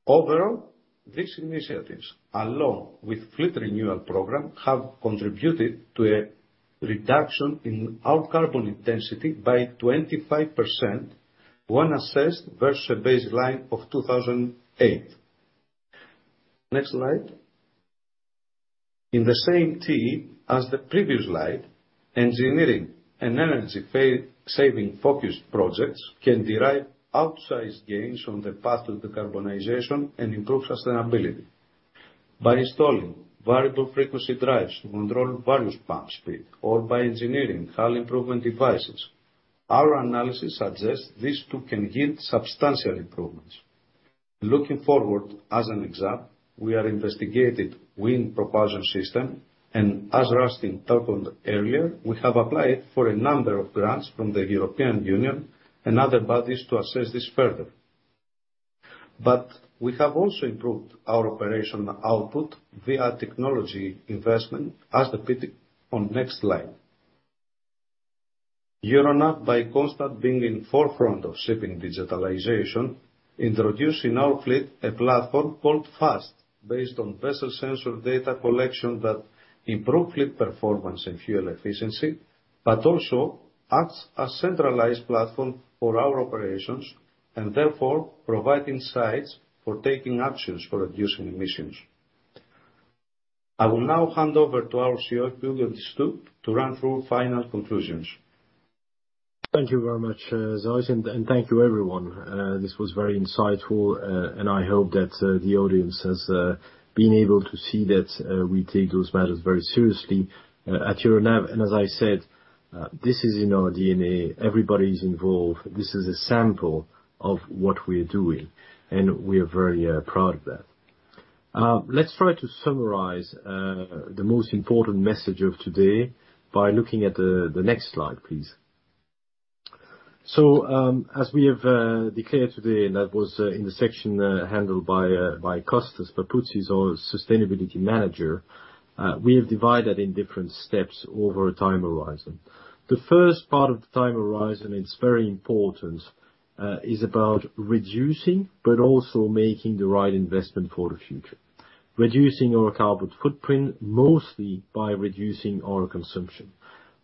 Overall, these initiatives, along with fleet renewal program, have contributed to a reduction in our carbon intensity by 25% when assessed versus baseline of 2008. Next slide. In the same theme as the previous slide, engineering and fuel-saving focused projects can derive outsized gains on the path to decarbonization and improve sustainability. By installing variable frequency drives to control various pump speed or by engineering hull improvement devices, our analysis suggests these two can yield substantial improvements. Looking forward, as an example, we are investigating wind propulsion system, and as Rustin talked about earlier, we have applied for a number of grants from the European Union and other bodies to assess this further. We have also improved our operational output via technology investment, as depicted on next slide. Euronav, by constant being in forefront of shipping digitalization, introduce in our fleet a platform called FAST, based on vessel sensor data collection that improve fleet performance and fuel efficiency, but also acts as centralized platform for our operations and therefore provide insights for taking actions for reducing emissions. I will now hand over to our CEO, Hugo De Stoop, to run through final conclusions. Thank you very much, Zois, and thank you everyone. This was very insightful, and I hope that the audience has been able to see that we take those matters very seriously at Euronav. As I said, this is in our DNA. Everybody is involved. This is a sample of what we are doing, and we are very proud of that. Let's try to summarize the most important message of today by looking at the next slide, please. As we have declared today, and that was in the section handled by Konstantinos Papoutsis, our Sustainability Manager, we have divided in different steps over a time horizon. The first part of the time horizon, it's very important, is about reducing but also making the right investment for the future. Reducing our carbon footprint, mostly by reducing our consumption.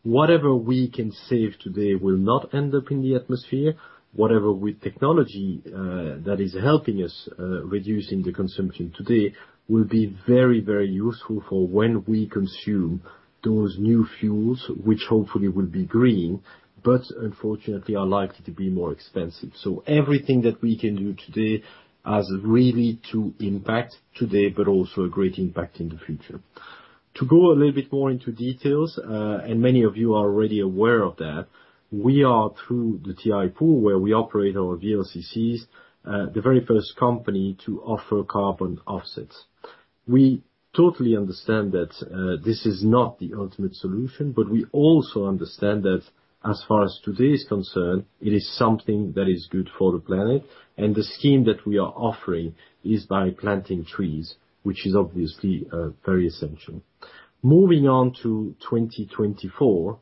Whatever we can save today will not end up in the atmosphere. Whatever with technology, that is helping us, reducing the consumption today will be very, very useful for when we consume those new fuels, which hopefully will be green, but unfortunately are likely to be more expensive. Everything that we can do today has really to impact today, but also a great impact in the future. To go a little bit more into details, and many of you are already aware of that, we are through the TI pool, where we operate our VLCCs, the very first company to offer carbon offsets. We totally understand that this is not the ultimate solution, but we also understand that as far as today is concerned, it is something that is good for the planet. The scheme that we are offering is by planting trees, which is obviously very essential. Moving on to 2024,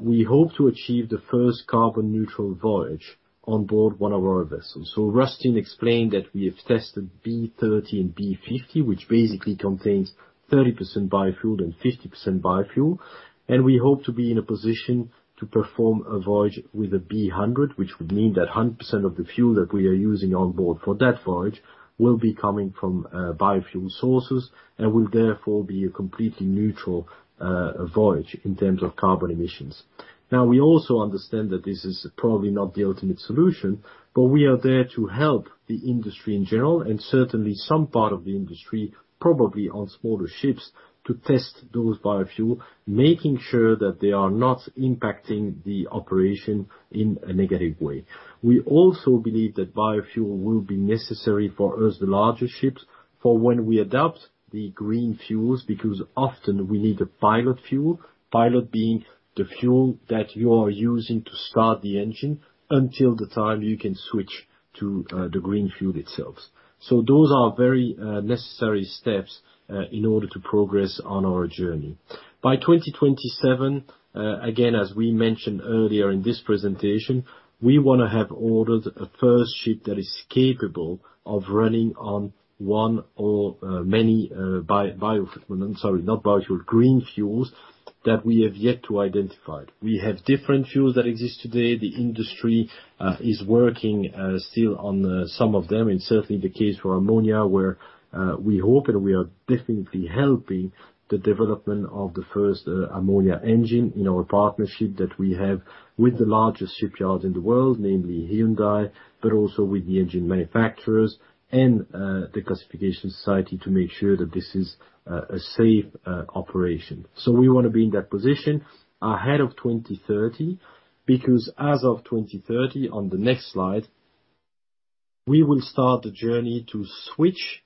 we hope to achieve the first carbon neutral voyage on board one of our vessels. So Rustin explained that we have tested B30 and B50, which basically contains 30% biofuel and 50% biofuel. We hope to be in a position to perform a voyage with a B100, which would mean that 100% of the fuel that we are using on board for that voyage will be coming from biofuel sources and will therefore be a completely neutral voyage in terms of carbon emissions. Now, we also understand that this is probably not the ultimate solution, but we are there to help the industry in general, and certainly some part of the industry, probably on smaller ships, to test those biofuels, making sure that they are not impacting the operation in a negative way. We also believe that biofuel will be necessary for us, the larger ships, for when we adopt the green fuels, because often we need a pilot fuel. Pilot being the fuel that you are using to start the engine until the time you can switch to, the green fuel itself. Those are very necessary steps in order to progress on our journey. By 2027, again, as we mentioned earlier in this presentation, we wanna have ordered a first ship that is capable of running on one or, many, bio. Sorry, not biofuel, green fuels that we have yet to identify. We have different fuels that exist today. The industry is working still on some of them. It's certainly the case for ammonia, where we hope and we are definitely helping the development of the first ammonia engine in our partnership that we have with the largest shipyards in the world, namely HD Hyundai, but also with the engine manufacturers and the classification society to make sure that this is a safe operation. We wanna be in that position ahead of 2030 because as of 2030, on the next slide, we will start the journey to switch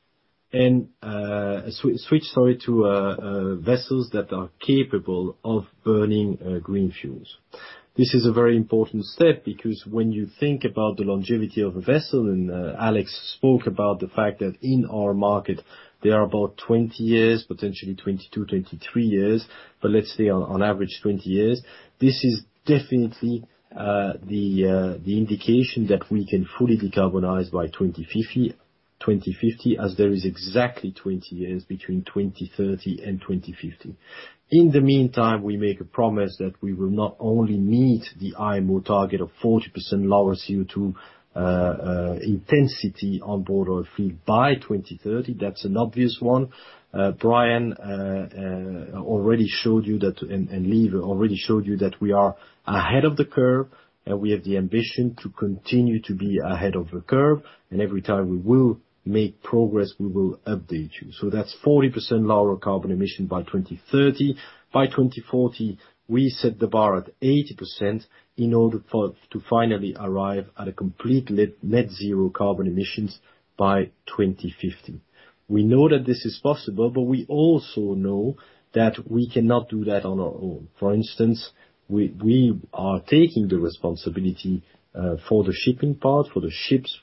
to vessels that are capable of burning green fuels. This is a very important step because when you think about the longevity of a vessel, Alex Staring spoke about the fact that in our market, they are about 20 years, potentially 22, 23 years. But let's say on average, 20 years. This is definitely the indication that we can fully decarbonize by 2050, as there is exactly 20 years between 2030 and 2050. In the meantime, we make a promise that we will not only meet the IMO target of 40% lower CO₂ intensity on board our fleet by 2030. That's an obvious one. Brian already showed you that. Lieve already showed you that we are ahead of the curve, and we have the ambition to continue to be ahead of the curve. Every time we will make progress, we will update you. That's 40% lower carbon emission by 2030. By 2040, we set the bar at 80% in order to finally arrive at a complete net zero carbon emissions by 2050. We know that this is possible, but we also know that we cannot do that on our own. For instance, we are taking the responsibility for the shipping part, for the ships,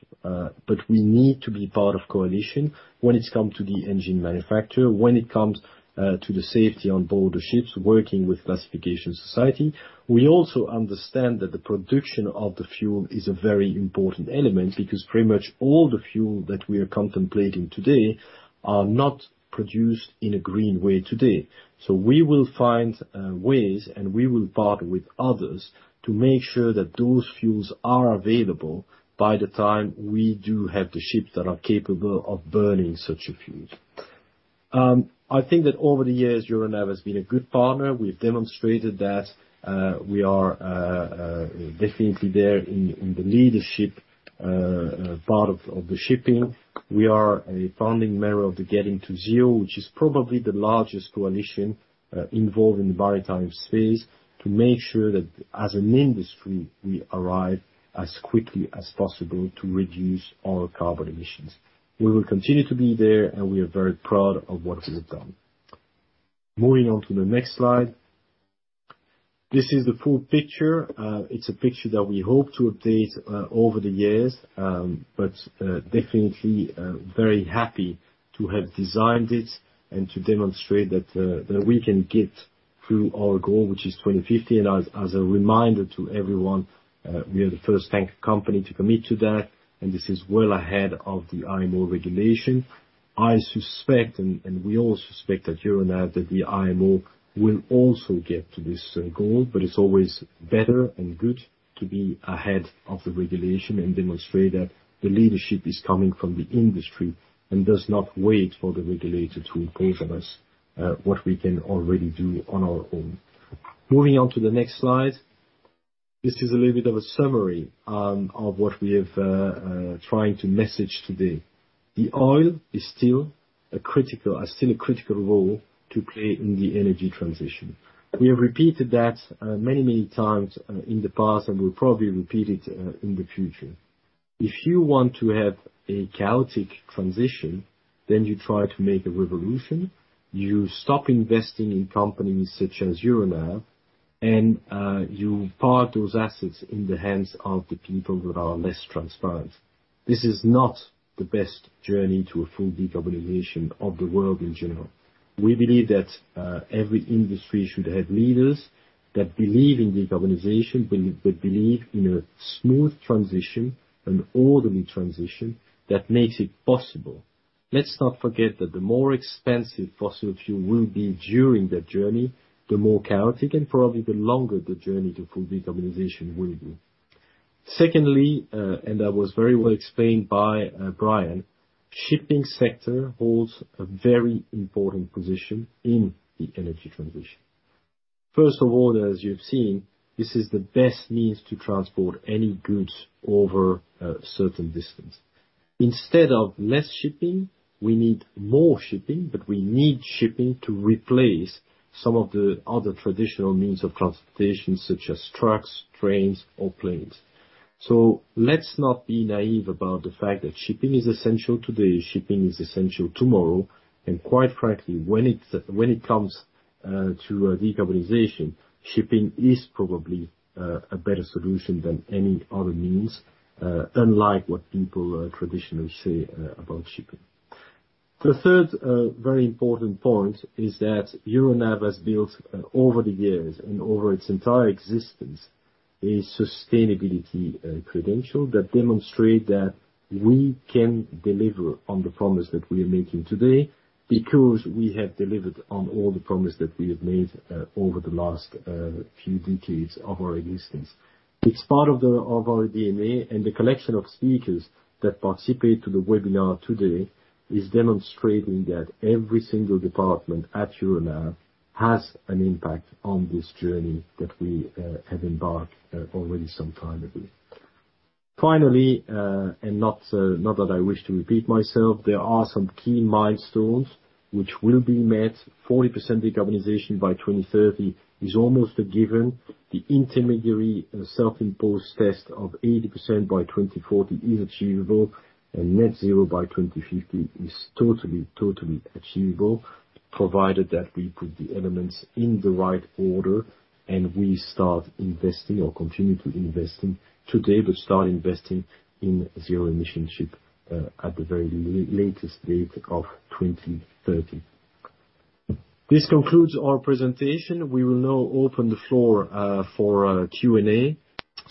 but we need to be part of coalition when it comes to the engine manufacturer, when it comes to the safety on board the ships, working with classification society. We also understand that the production of the fuel is a very important element because pretty much all the fuel that we are contemplating today are not produced in a green way today. We will find ways, and we will partner with others to make sure that those fuels are available by the time we do have the ships that are capable of burning such a fuel. I think that over the years, Euronav has been a good partner. We have demonstrated that we are definitely there in the leadership part of the shipping. We are a founding member of the Getting to Zero, which is probably the largest coalition involved in the maritime space to make sure that as an industry, we arrive as quickly as possible to reduce our carbon emissions. We will continue to be there, and we are very proud of what we have done. Moving on to the next slide. This is the full picture. It's a picture that we hope to update over the years, but definitely very happy to have designed it and to demonstrate that we can get through our goal, which is 2050. As a reminder to everyone, we are the first tanker company to commit to that, and this is well ahead of the IMO regulation. I suspect, and we all suspect at Euronav, that the IMO will also get to this goal, but it's always better and good to be ahead of the regulation and demonstrate that the leadership is coming from the industry and does not wait for the regulator to impose on us what we can already do on our own. Moving on to the next slide. This is a little bit of a summary of what we have trying to message today. The oil has still a critical role to play in the energy transition. We have repeated that many times in the past, and we'll probably repeat it in the future. If you want to have a chaotic transition, then you try to make a revolution. You stop investing in companies such as Euronav, and you part those assets in the hands of the people who are less transparent. This is not the best journey to a full decarbonization of the world in general. We believe that every industry should have leaders that believe in decarbonization, believe in a smooth transition, an orderly transition that makes it possible. Let's not forget that the more expensive fossil fuel will be during that journey, the more chaotic and probably the longer the journey to full decarbonization will be. Secondly, and that was very well explained by Brian, shipping sector holds a very important position in the energy transition. First of all, as you have seen, this is the best means to transport any goods over a certain distance. Instead of less shipping, we need more shipping, but we need shipping to replace some of the other traditional means of transportation, such as trucks, trains, or planes. Let's not be naive about the fact that shipping is essential today, shipping is essential tomorrow, and quite frankly, when it comes to decarbonization, shipping is probably a better solution than any other means, unlike what people traditionally say about shipping. The third very important point is that Euronav has built over the years and over its entire existence, a sustainability credential that demonstrate that we can deliver on the promise that we are making today because we have delivered on all the promise that we have made over the last few decades of our existence. It's part of our DNA, and the collection of speakers that participate to the webinar today is demonstrating that every single department at Euronav has an impact on this journey that we have embarked already some time ago. Finally, and not that I wish to repeat myself, there are some key milestones which will be met. 40% decarbonization by 2030 is almost a given. The intermediary self-imposed test of 80% by 2040 is achievable, and net zero by 2050 is totally achievable, provided that we put the elements in the right order and we start investing or continue to invest in zero-emission ship today at the very latest date of 2030. This concludes our presentation. We will now open the floor for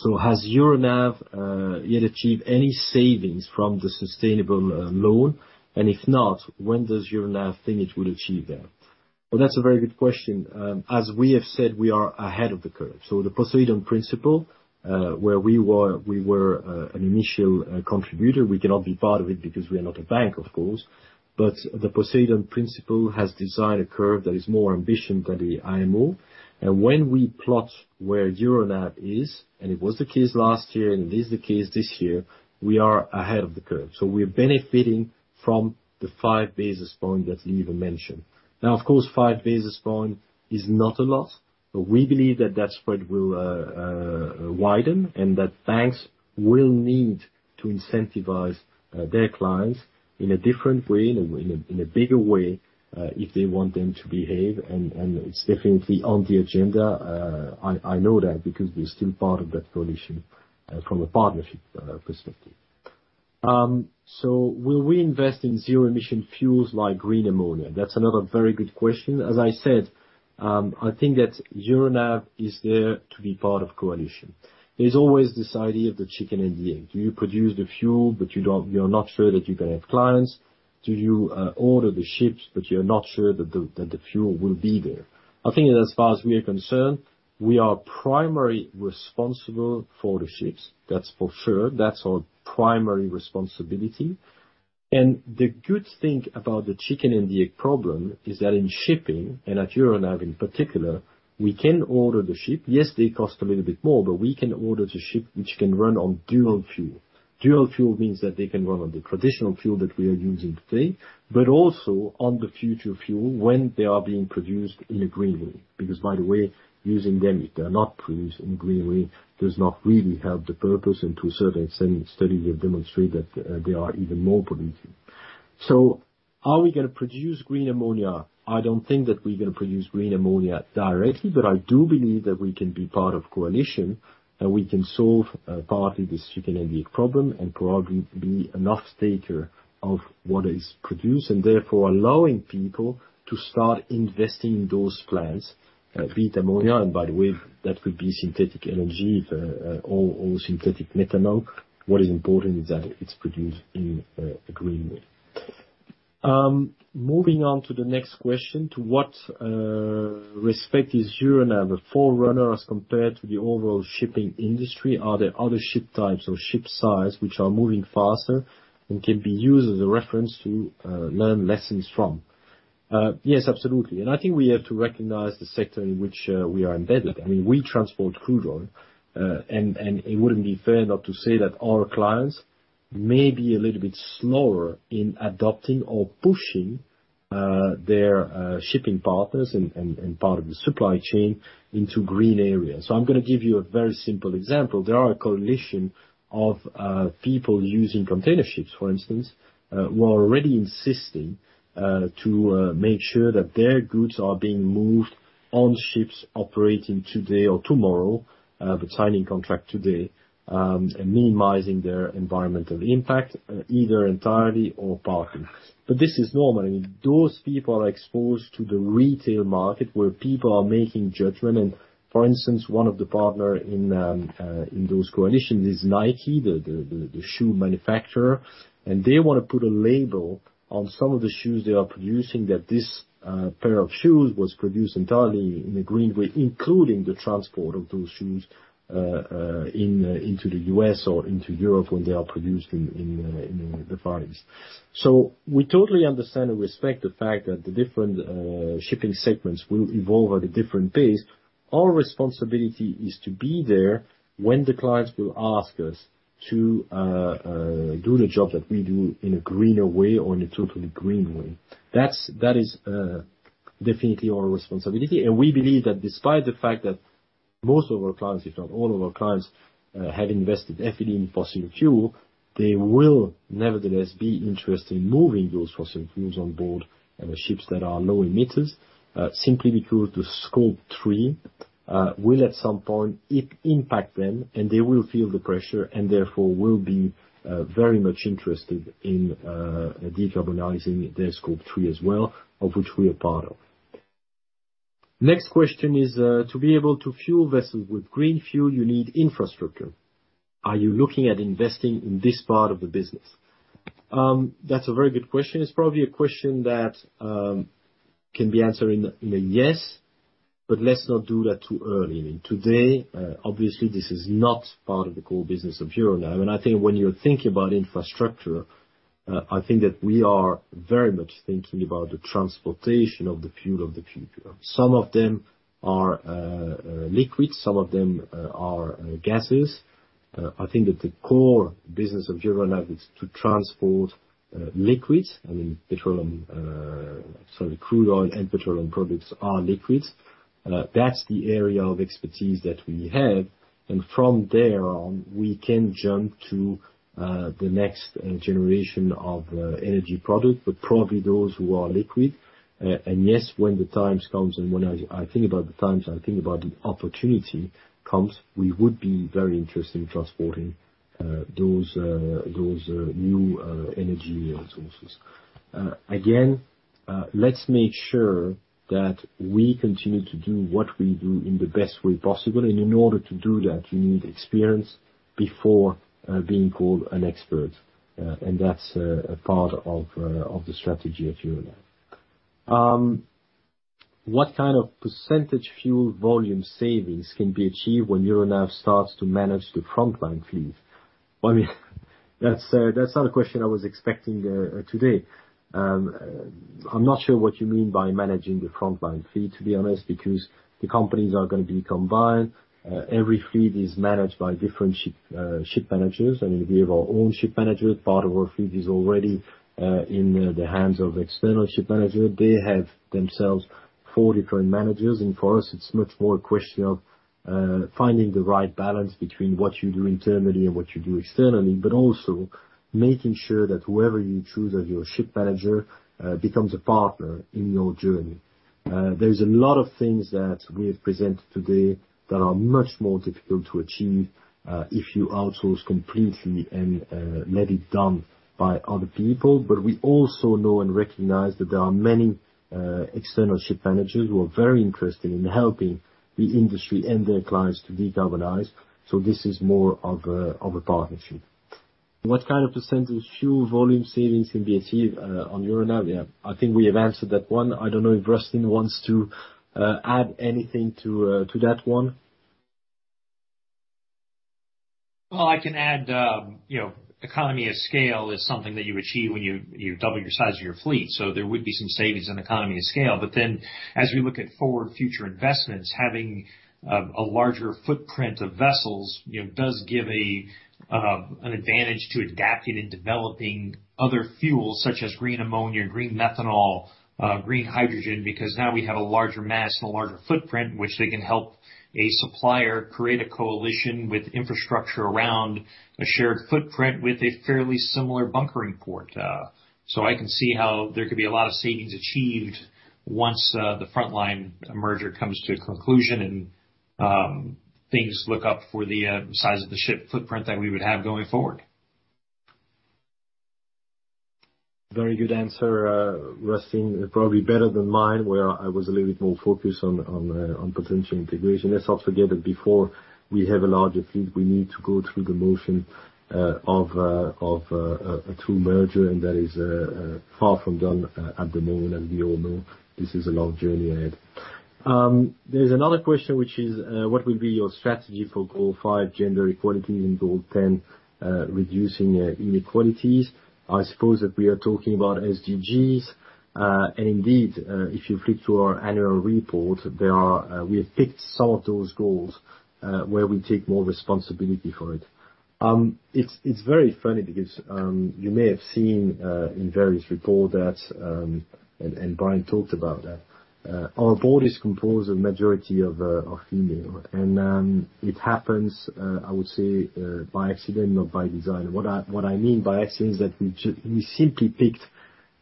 Q&A. Has Euronav yet achieved any savings from the sustainable loan? And if not, when does Euronav think it will achieve that? Well, that's a very good question. As we have said, we are ahead of the curve. The Poseidon Principles, where we were an initial contributor, we cannot be part of it because we are not a bank, of course. The Poseidon Principles has designed a curve that is more ambitious than the IMO. When we plot where Euronav is, and it was the case last year, and it is the case this year, we are ahead of the curve. We're benefiting from the 5 basis points that Lieve mentioned. Now, of course, 5 basis points is not a lot, but we believe that that spread will widen and that banks will need to incentivize their clients in a different way, in a bigger way, if they want them to behave. It's definitely on the agenda. I know that because we're still part of that coalition from a partnership perspective. Will we invest in zero-emission fuels like green ammonia? That's another very good question. As I said, I think that Euronav is there to be part of coalition. There's always this idea of the chicken and the egg. Do you produce the fuel, but you're not sure that you're gonna have clients? Do you order the ships, but you're not sure that the fuel will be there? I think that as far as we are concerned, we are primarily responsible for the ships, that's for sure. That's our primary responsibility. The good thing about the chicken and the egg problem is that in shipping and at Euronav in particular, we can order the ship. Yes, they cost a little bit more, but we can order the ship, which can run on dual fuel. Dual fuel means that they can run on the traditional fuel that we are using today, but also on the future fuel when they are being produced in a green way. Because by the way, using them, if they are not produced in a green way, does not really have the purpose. To a certain extent, studies have demonstrated that they are even more polluting. Are we gonna produce green ammonia? I don't think that we're gonna produce green ammonia directly, but I do believe that we can be part of coalition, and we can solve partly this chicken and egg problem, and probably be an off-taker of what is produced and therefore allowing people to start investing in those plants, be it ammonia. By the way, that could be synthetic energy, or synthetic methanol. What is important is that it's produced in a green way. Moving on to the next question, to what respect is Euronav a forerunner as compared to the overall shipping industry? Are there other ship types or ship size which are moving faster and can be used as a reference to learn lessons from? Yes, absolutely. I think we have to recognize the sector in which we are embedded. I mean, we transport crude oil. It wouldn't be fair not to say that our clients may be a little bit slower in adopting or pushing their shipping partners and part of the supply chain into green areas. I'm gonna give you a very simple example. There are a coalition of people using container ships, for instance, who are already insisting to make sure that their goods are being moved on ships operating today or tomorrow, but signing contract today, and minimizing their environmental impact either entirely or partly. This is normal. I mean, those people are exposed to the retail market where people are making judgment. For instance, one of the partner in those coalitions is Nike, the shoe manufacturer. They wanna put a label on some of the shoes they are producing that this pair of shoes was produced entirely in a green way, including the transport of those shoes in into the U.S. or into Europe when they are produced in the Far East. We totally understand and respect the fact that the different shipping segments will evolve at a different pace. Our responsibility is to be there when the clients will ask us to do the job that we do in a greener way or in a totally green way. That is definitely our responsibility. We believe that despite the fact that most of our clients, if not all of our clients, have invested heavily in fossil fuel, they will nevertheless be interested in moving those fossil fuels on board and the ships that are low emitters simply because the Scope 3 will at some point impact them, and they will feel the pressure and therefore will be very much interested in decarbonizing their Scope 3 as well, of which we are part of. Next question is, to be able to fuel vessels with green fuel, you need infrastructure. Are you looking at investing in this part of the business? That's a very good question. It's probably a question that can be answered in a yes, but let's not do that too early. I mean, today, obviously this is not part of the core business of Euronav. I think when you're thinking about infrastructure, I think that we are very much thinking about the transportation of the fuel of the future. Some of them are liquids, some of them are gases. I think that the core business of Euronav is to transport liquids. I mean, petroleum, sorry, crude oil and petroleum products are liquids. That's the area of expertise that we have. From there on, we can jump to the next generation of energy product, but probably those who are liquid. Yes, when the time comes and when I think about the time, I think about the opportunity comes, we would be very interested in transporting those new energy sources. Again, let's make sure that we continue to do what we do in the best way possible. In order to do that, you need experience before being called an expert. That's a part of the strategy at Euronav. What kind of percentage fuel volume savings can be achieved when Euronav starts to manage the Frontline fleet? I mean, that's not a question I was expecting today. I'm not sure what you mean by managing the Frontline fleet, to be honest, because the companies are gonna be combined. Every fleet is managed by different ship managers. I mean, we have our own ship managers. Part of our fleet is already in the hands of external ship manager. They have themselves four different managers. For us it's much more a question of finding the right balance between what you do internally and what you do externally, but also making sure that whoever you choose as your ship manager becomes a partner in your journey. There's a lot of things that we have presented today that are much more difficult to achieve if you outsource completely and let it done by other people. We also know and recognize that there are many external ship managers who are very interested in helping the industry and their clients to decarbonize. This is more of a partnership. What kind of percentage fuel volume savings can be achieved on Euronav? Yeah, I think we have answered that one. I don't know if Rustin wants to add anything to that one. Well, I can add, you know, economy of scale is something that you achieve when you double your size of your fleet. There would be some savings in economy of scale. As we look at forward future investments, having a larger footprint of vessels, you know, does give an advantage to adapting and developing other fuels such as green ammonia, green methanol, green hydrogen, because now we have a larger mass and a larger footprint, which they can help a supplier create a coalition with infrastructure around a shared footprint with a fairly similar bunkering port. I can see how there could be a lot of savings achieved once the Frontline merger comes to a conclusion and things look up for the size of the ship footprint that we would have going forward. Very good answer, Rustin. Probably better than mine, where I was a little bit more focused on potential integration. Let's not forget that before we have a larger fleet, we need to go through the motion of a true merger, and that is far from done at the moment. As we all know, this is a long journey ahead. There's another question which is, what will be your strategy for goal five, gender equality and goal 10, reducing inequalities? I suppose that we are talking about SDGs. Indeed, if you flip through our annual report, there are. We have picked some of those goals where we take more responsibility for it. It's very funny because you may have seen in various reports that and Brian talked about that our board is composed of majority of are female. It happens, I would say, by accident, not by design. What I mean by accident is that we simply picked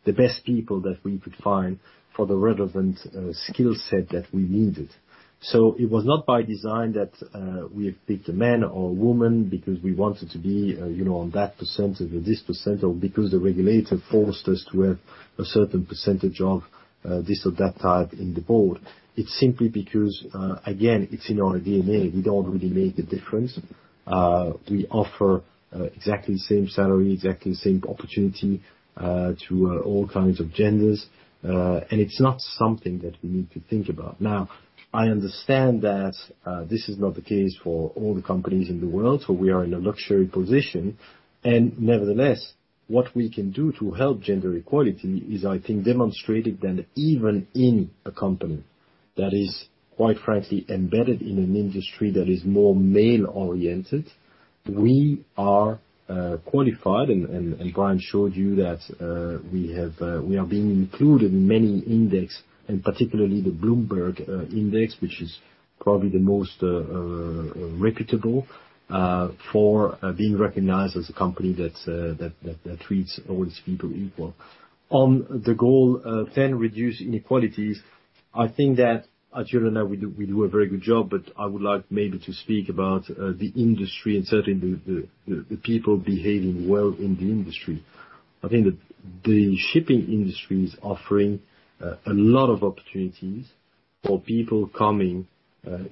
the best people that we could find for the relevant skill set that we needed. It was not by design that we had picked a man or a woman because we wanted to be, you know, on that percentage or this percentage, or because the regulator forced us to have a certain percentage of this or that type in the board. It's simply because, again, it's in our DNA. We don't really make the difference. We offer exactly the same salary, exactly the same opportunity to all kinds of genders. It's not something that we need to think about. Now, I understand that this is not the case for all the companies in the world. We are in a luxury position. Nevertheless, what we can do to help gender equality is, I think, demonstrate it, that even in a company that is quite frankly embedded in an industry that is more male-oriented, we are qualified, and Brian showed you that we are being included in many index, and particularly the Bloomberg index, which is probably the most reputable for being recognized as a company that treats all its people equal. On the goal 10, reducing inequalities, I think that at Euronav we do a very good job, but I would like maybe to speak about the industry and certainly the people behaving well in the industry. I think that the shipping industry is offering a lot of opportunities for people coming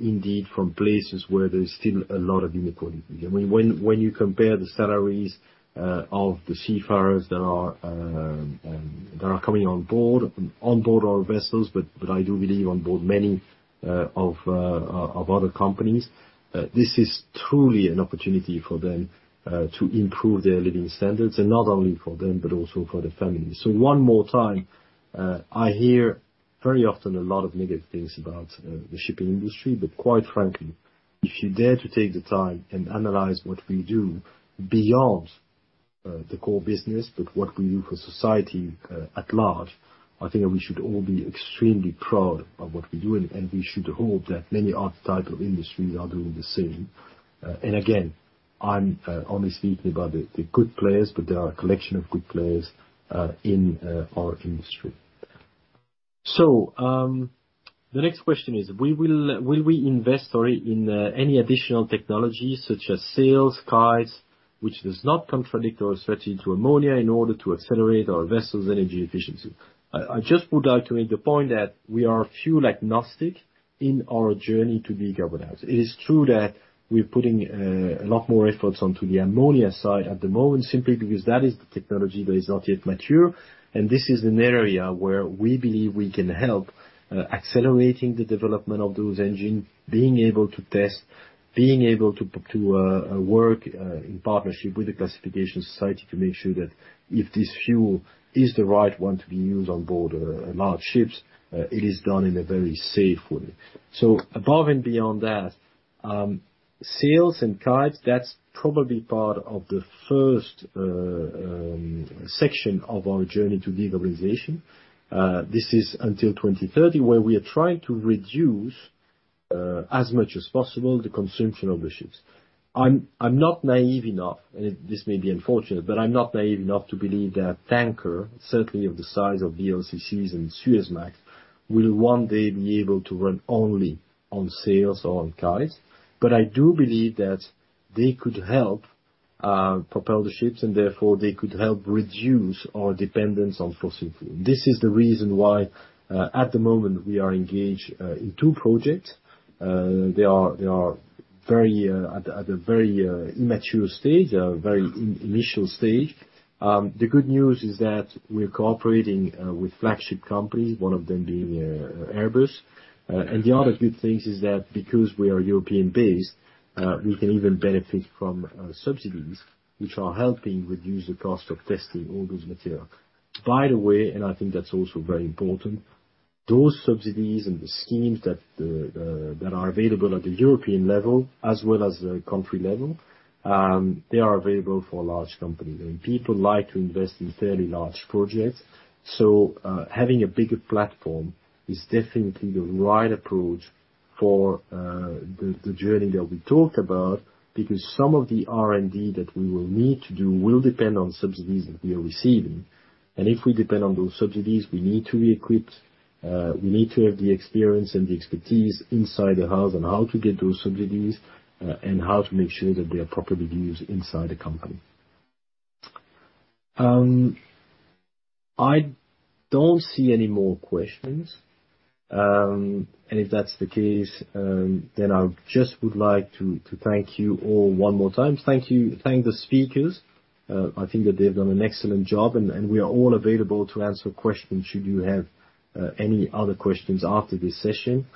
indeed from places where there's still a lot of inequality. I mean, when you compare the salaries of the seafarers that are coming on board our vessels, but I do believe on board many of other companies this is truly an opportunity for them to improve their living standards, and not only for them, but also for their families. One more time, I hear very often a lot of negative things about the shipping industry. Quite frankly, if you dare to take the time and analyze what we do beyond the core business, but what we do for society at large, I think that we should all be extremely proud of what we do, and we should hope that many other type of industry are doing the same. Again, I'm only speaking about the good players, but there are a collection of good players in our industry. The next question is, will we invest in any additional technologies such as sails, kites, which does not contradict our strategy to ammonia in order to accelerate our vessels energy efficiency? I just would argue the point that we are fuel-agnostic in our journey to decarbonize. It is true that we're putting a lot more efforts onto the ammonia side at the moment, simply because that is the technology that is not yet mature. This is an area where we believe we can help accelerating the development of those engines, being able to test, being able to work in partnership with the classification society to make sure that if this fuel is the right one to be used on board large ships, it is done in a very safe way. Above and beyond that, sails and kites, that's probably part of the first section of our journey to decarbonization. This is until 2030, where we are trying to reduce as much as possible the consumption of the ships. I'm not naive enough, and this may be unfortunate, but I'm not naive enough to believe that tankers, certainly of the size of VLCCs and Suezmax, will one day be able to run only on sails or on kites. I do believe that they could help propel the ships, and therefore they could help reduce our dependence on fossil fuel. This is the reason why at the moment we are engaged in two projects. They are very at a very immature stage, very initial stage. The good news is that we're cooperating with flagship companies, one of them being Airbus. The other good things is that because we are European-based, we can even benefit from subsidies which are helping reduce the cost of testing all those materials. By the way, I think that's also very important, those subsidies and the schemes that are available at the European level as well as the country level, they are available for large companies. I mean, people like to invest in fairly large projects. Having a bigger platform is definitely the right approach for the journey that we talked about, because some of the R&D that we will need to do will depend on subsidies that we are receiving. If we depend on those subsidies, we need to be equipped, we need to have the experience and the expertise inside the house on how to get those subsidies, and how to make sure that they are properly used inside the company. I don't see any more questions. If that's the case, then I just would like to thank you all one more time. Thank you. Thank the speakers. I think that they've done an excellent job, and we are all available to answer questions should you have any other questions after this session.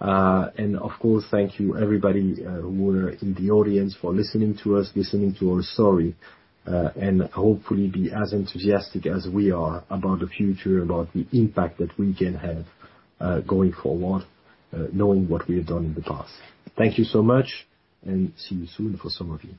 Of course, thank you everybody who are in the audience for listening to us, listening to our story, and hopefully be as enthusiastic as we are about the future, about the impact that we can have, going forward, knowing what we have done in the past. Thank you so much and see you soon for some of you.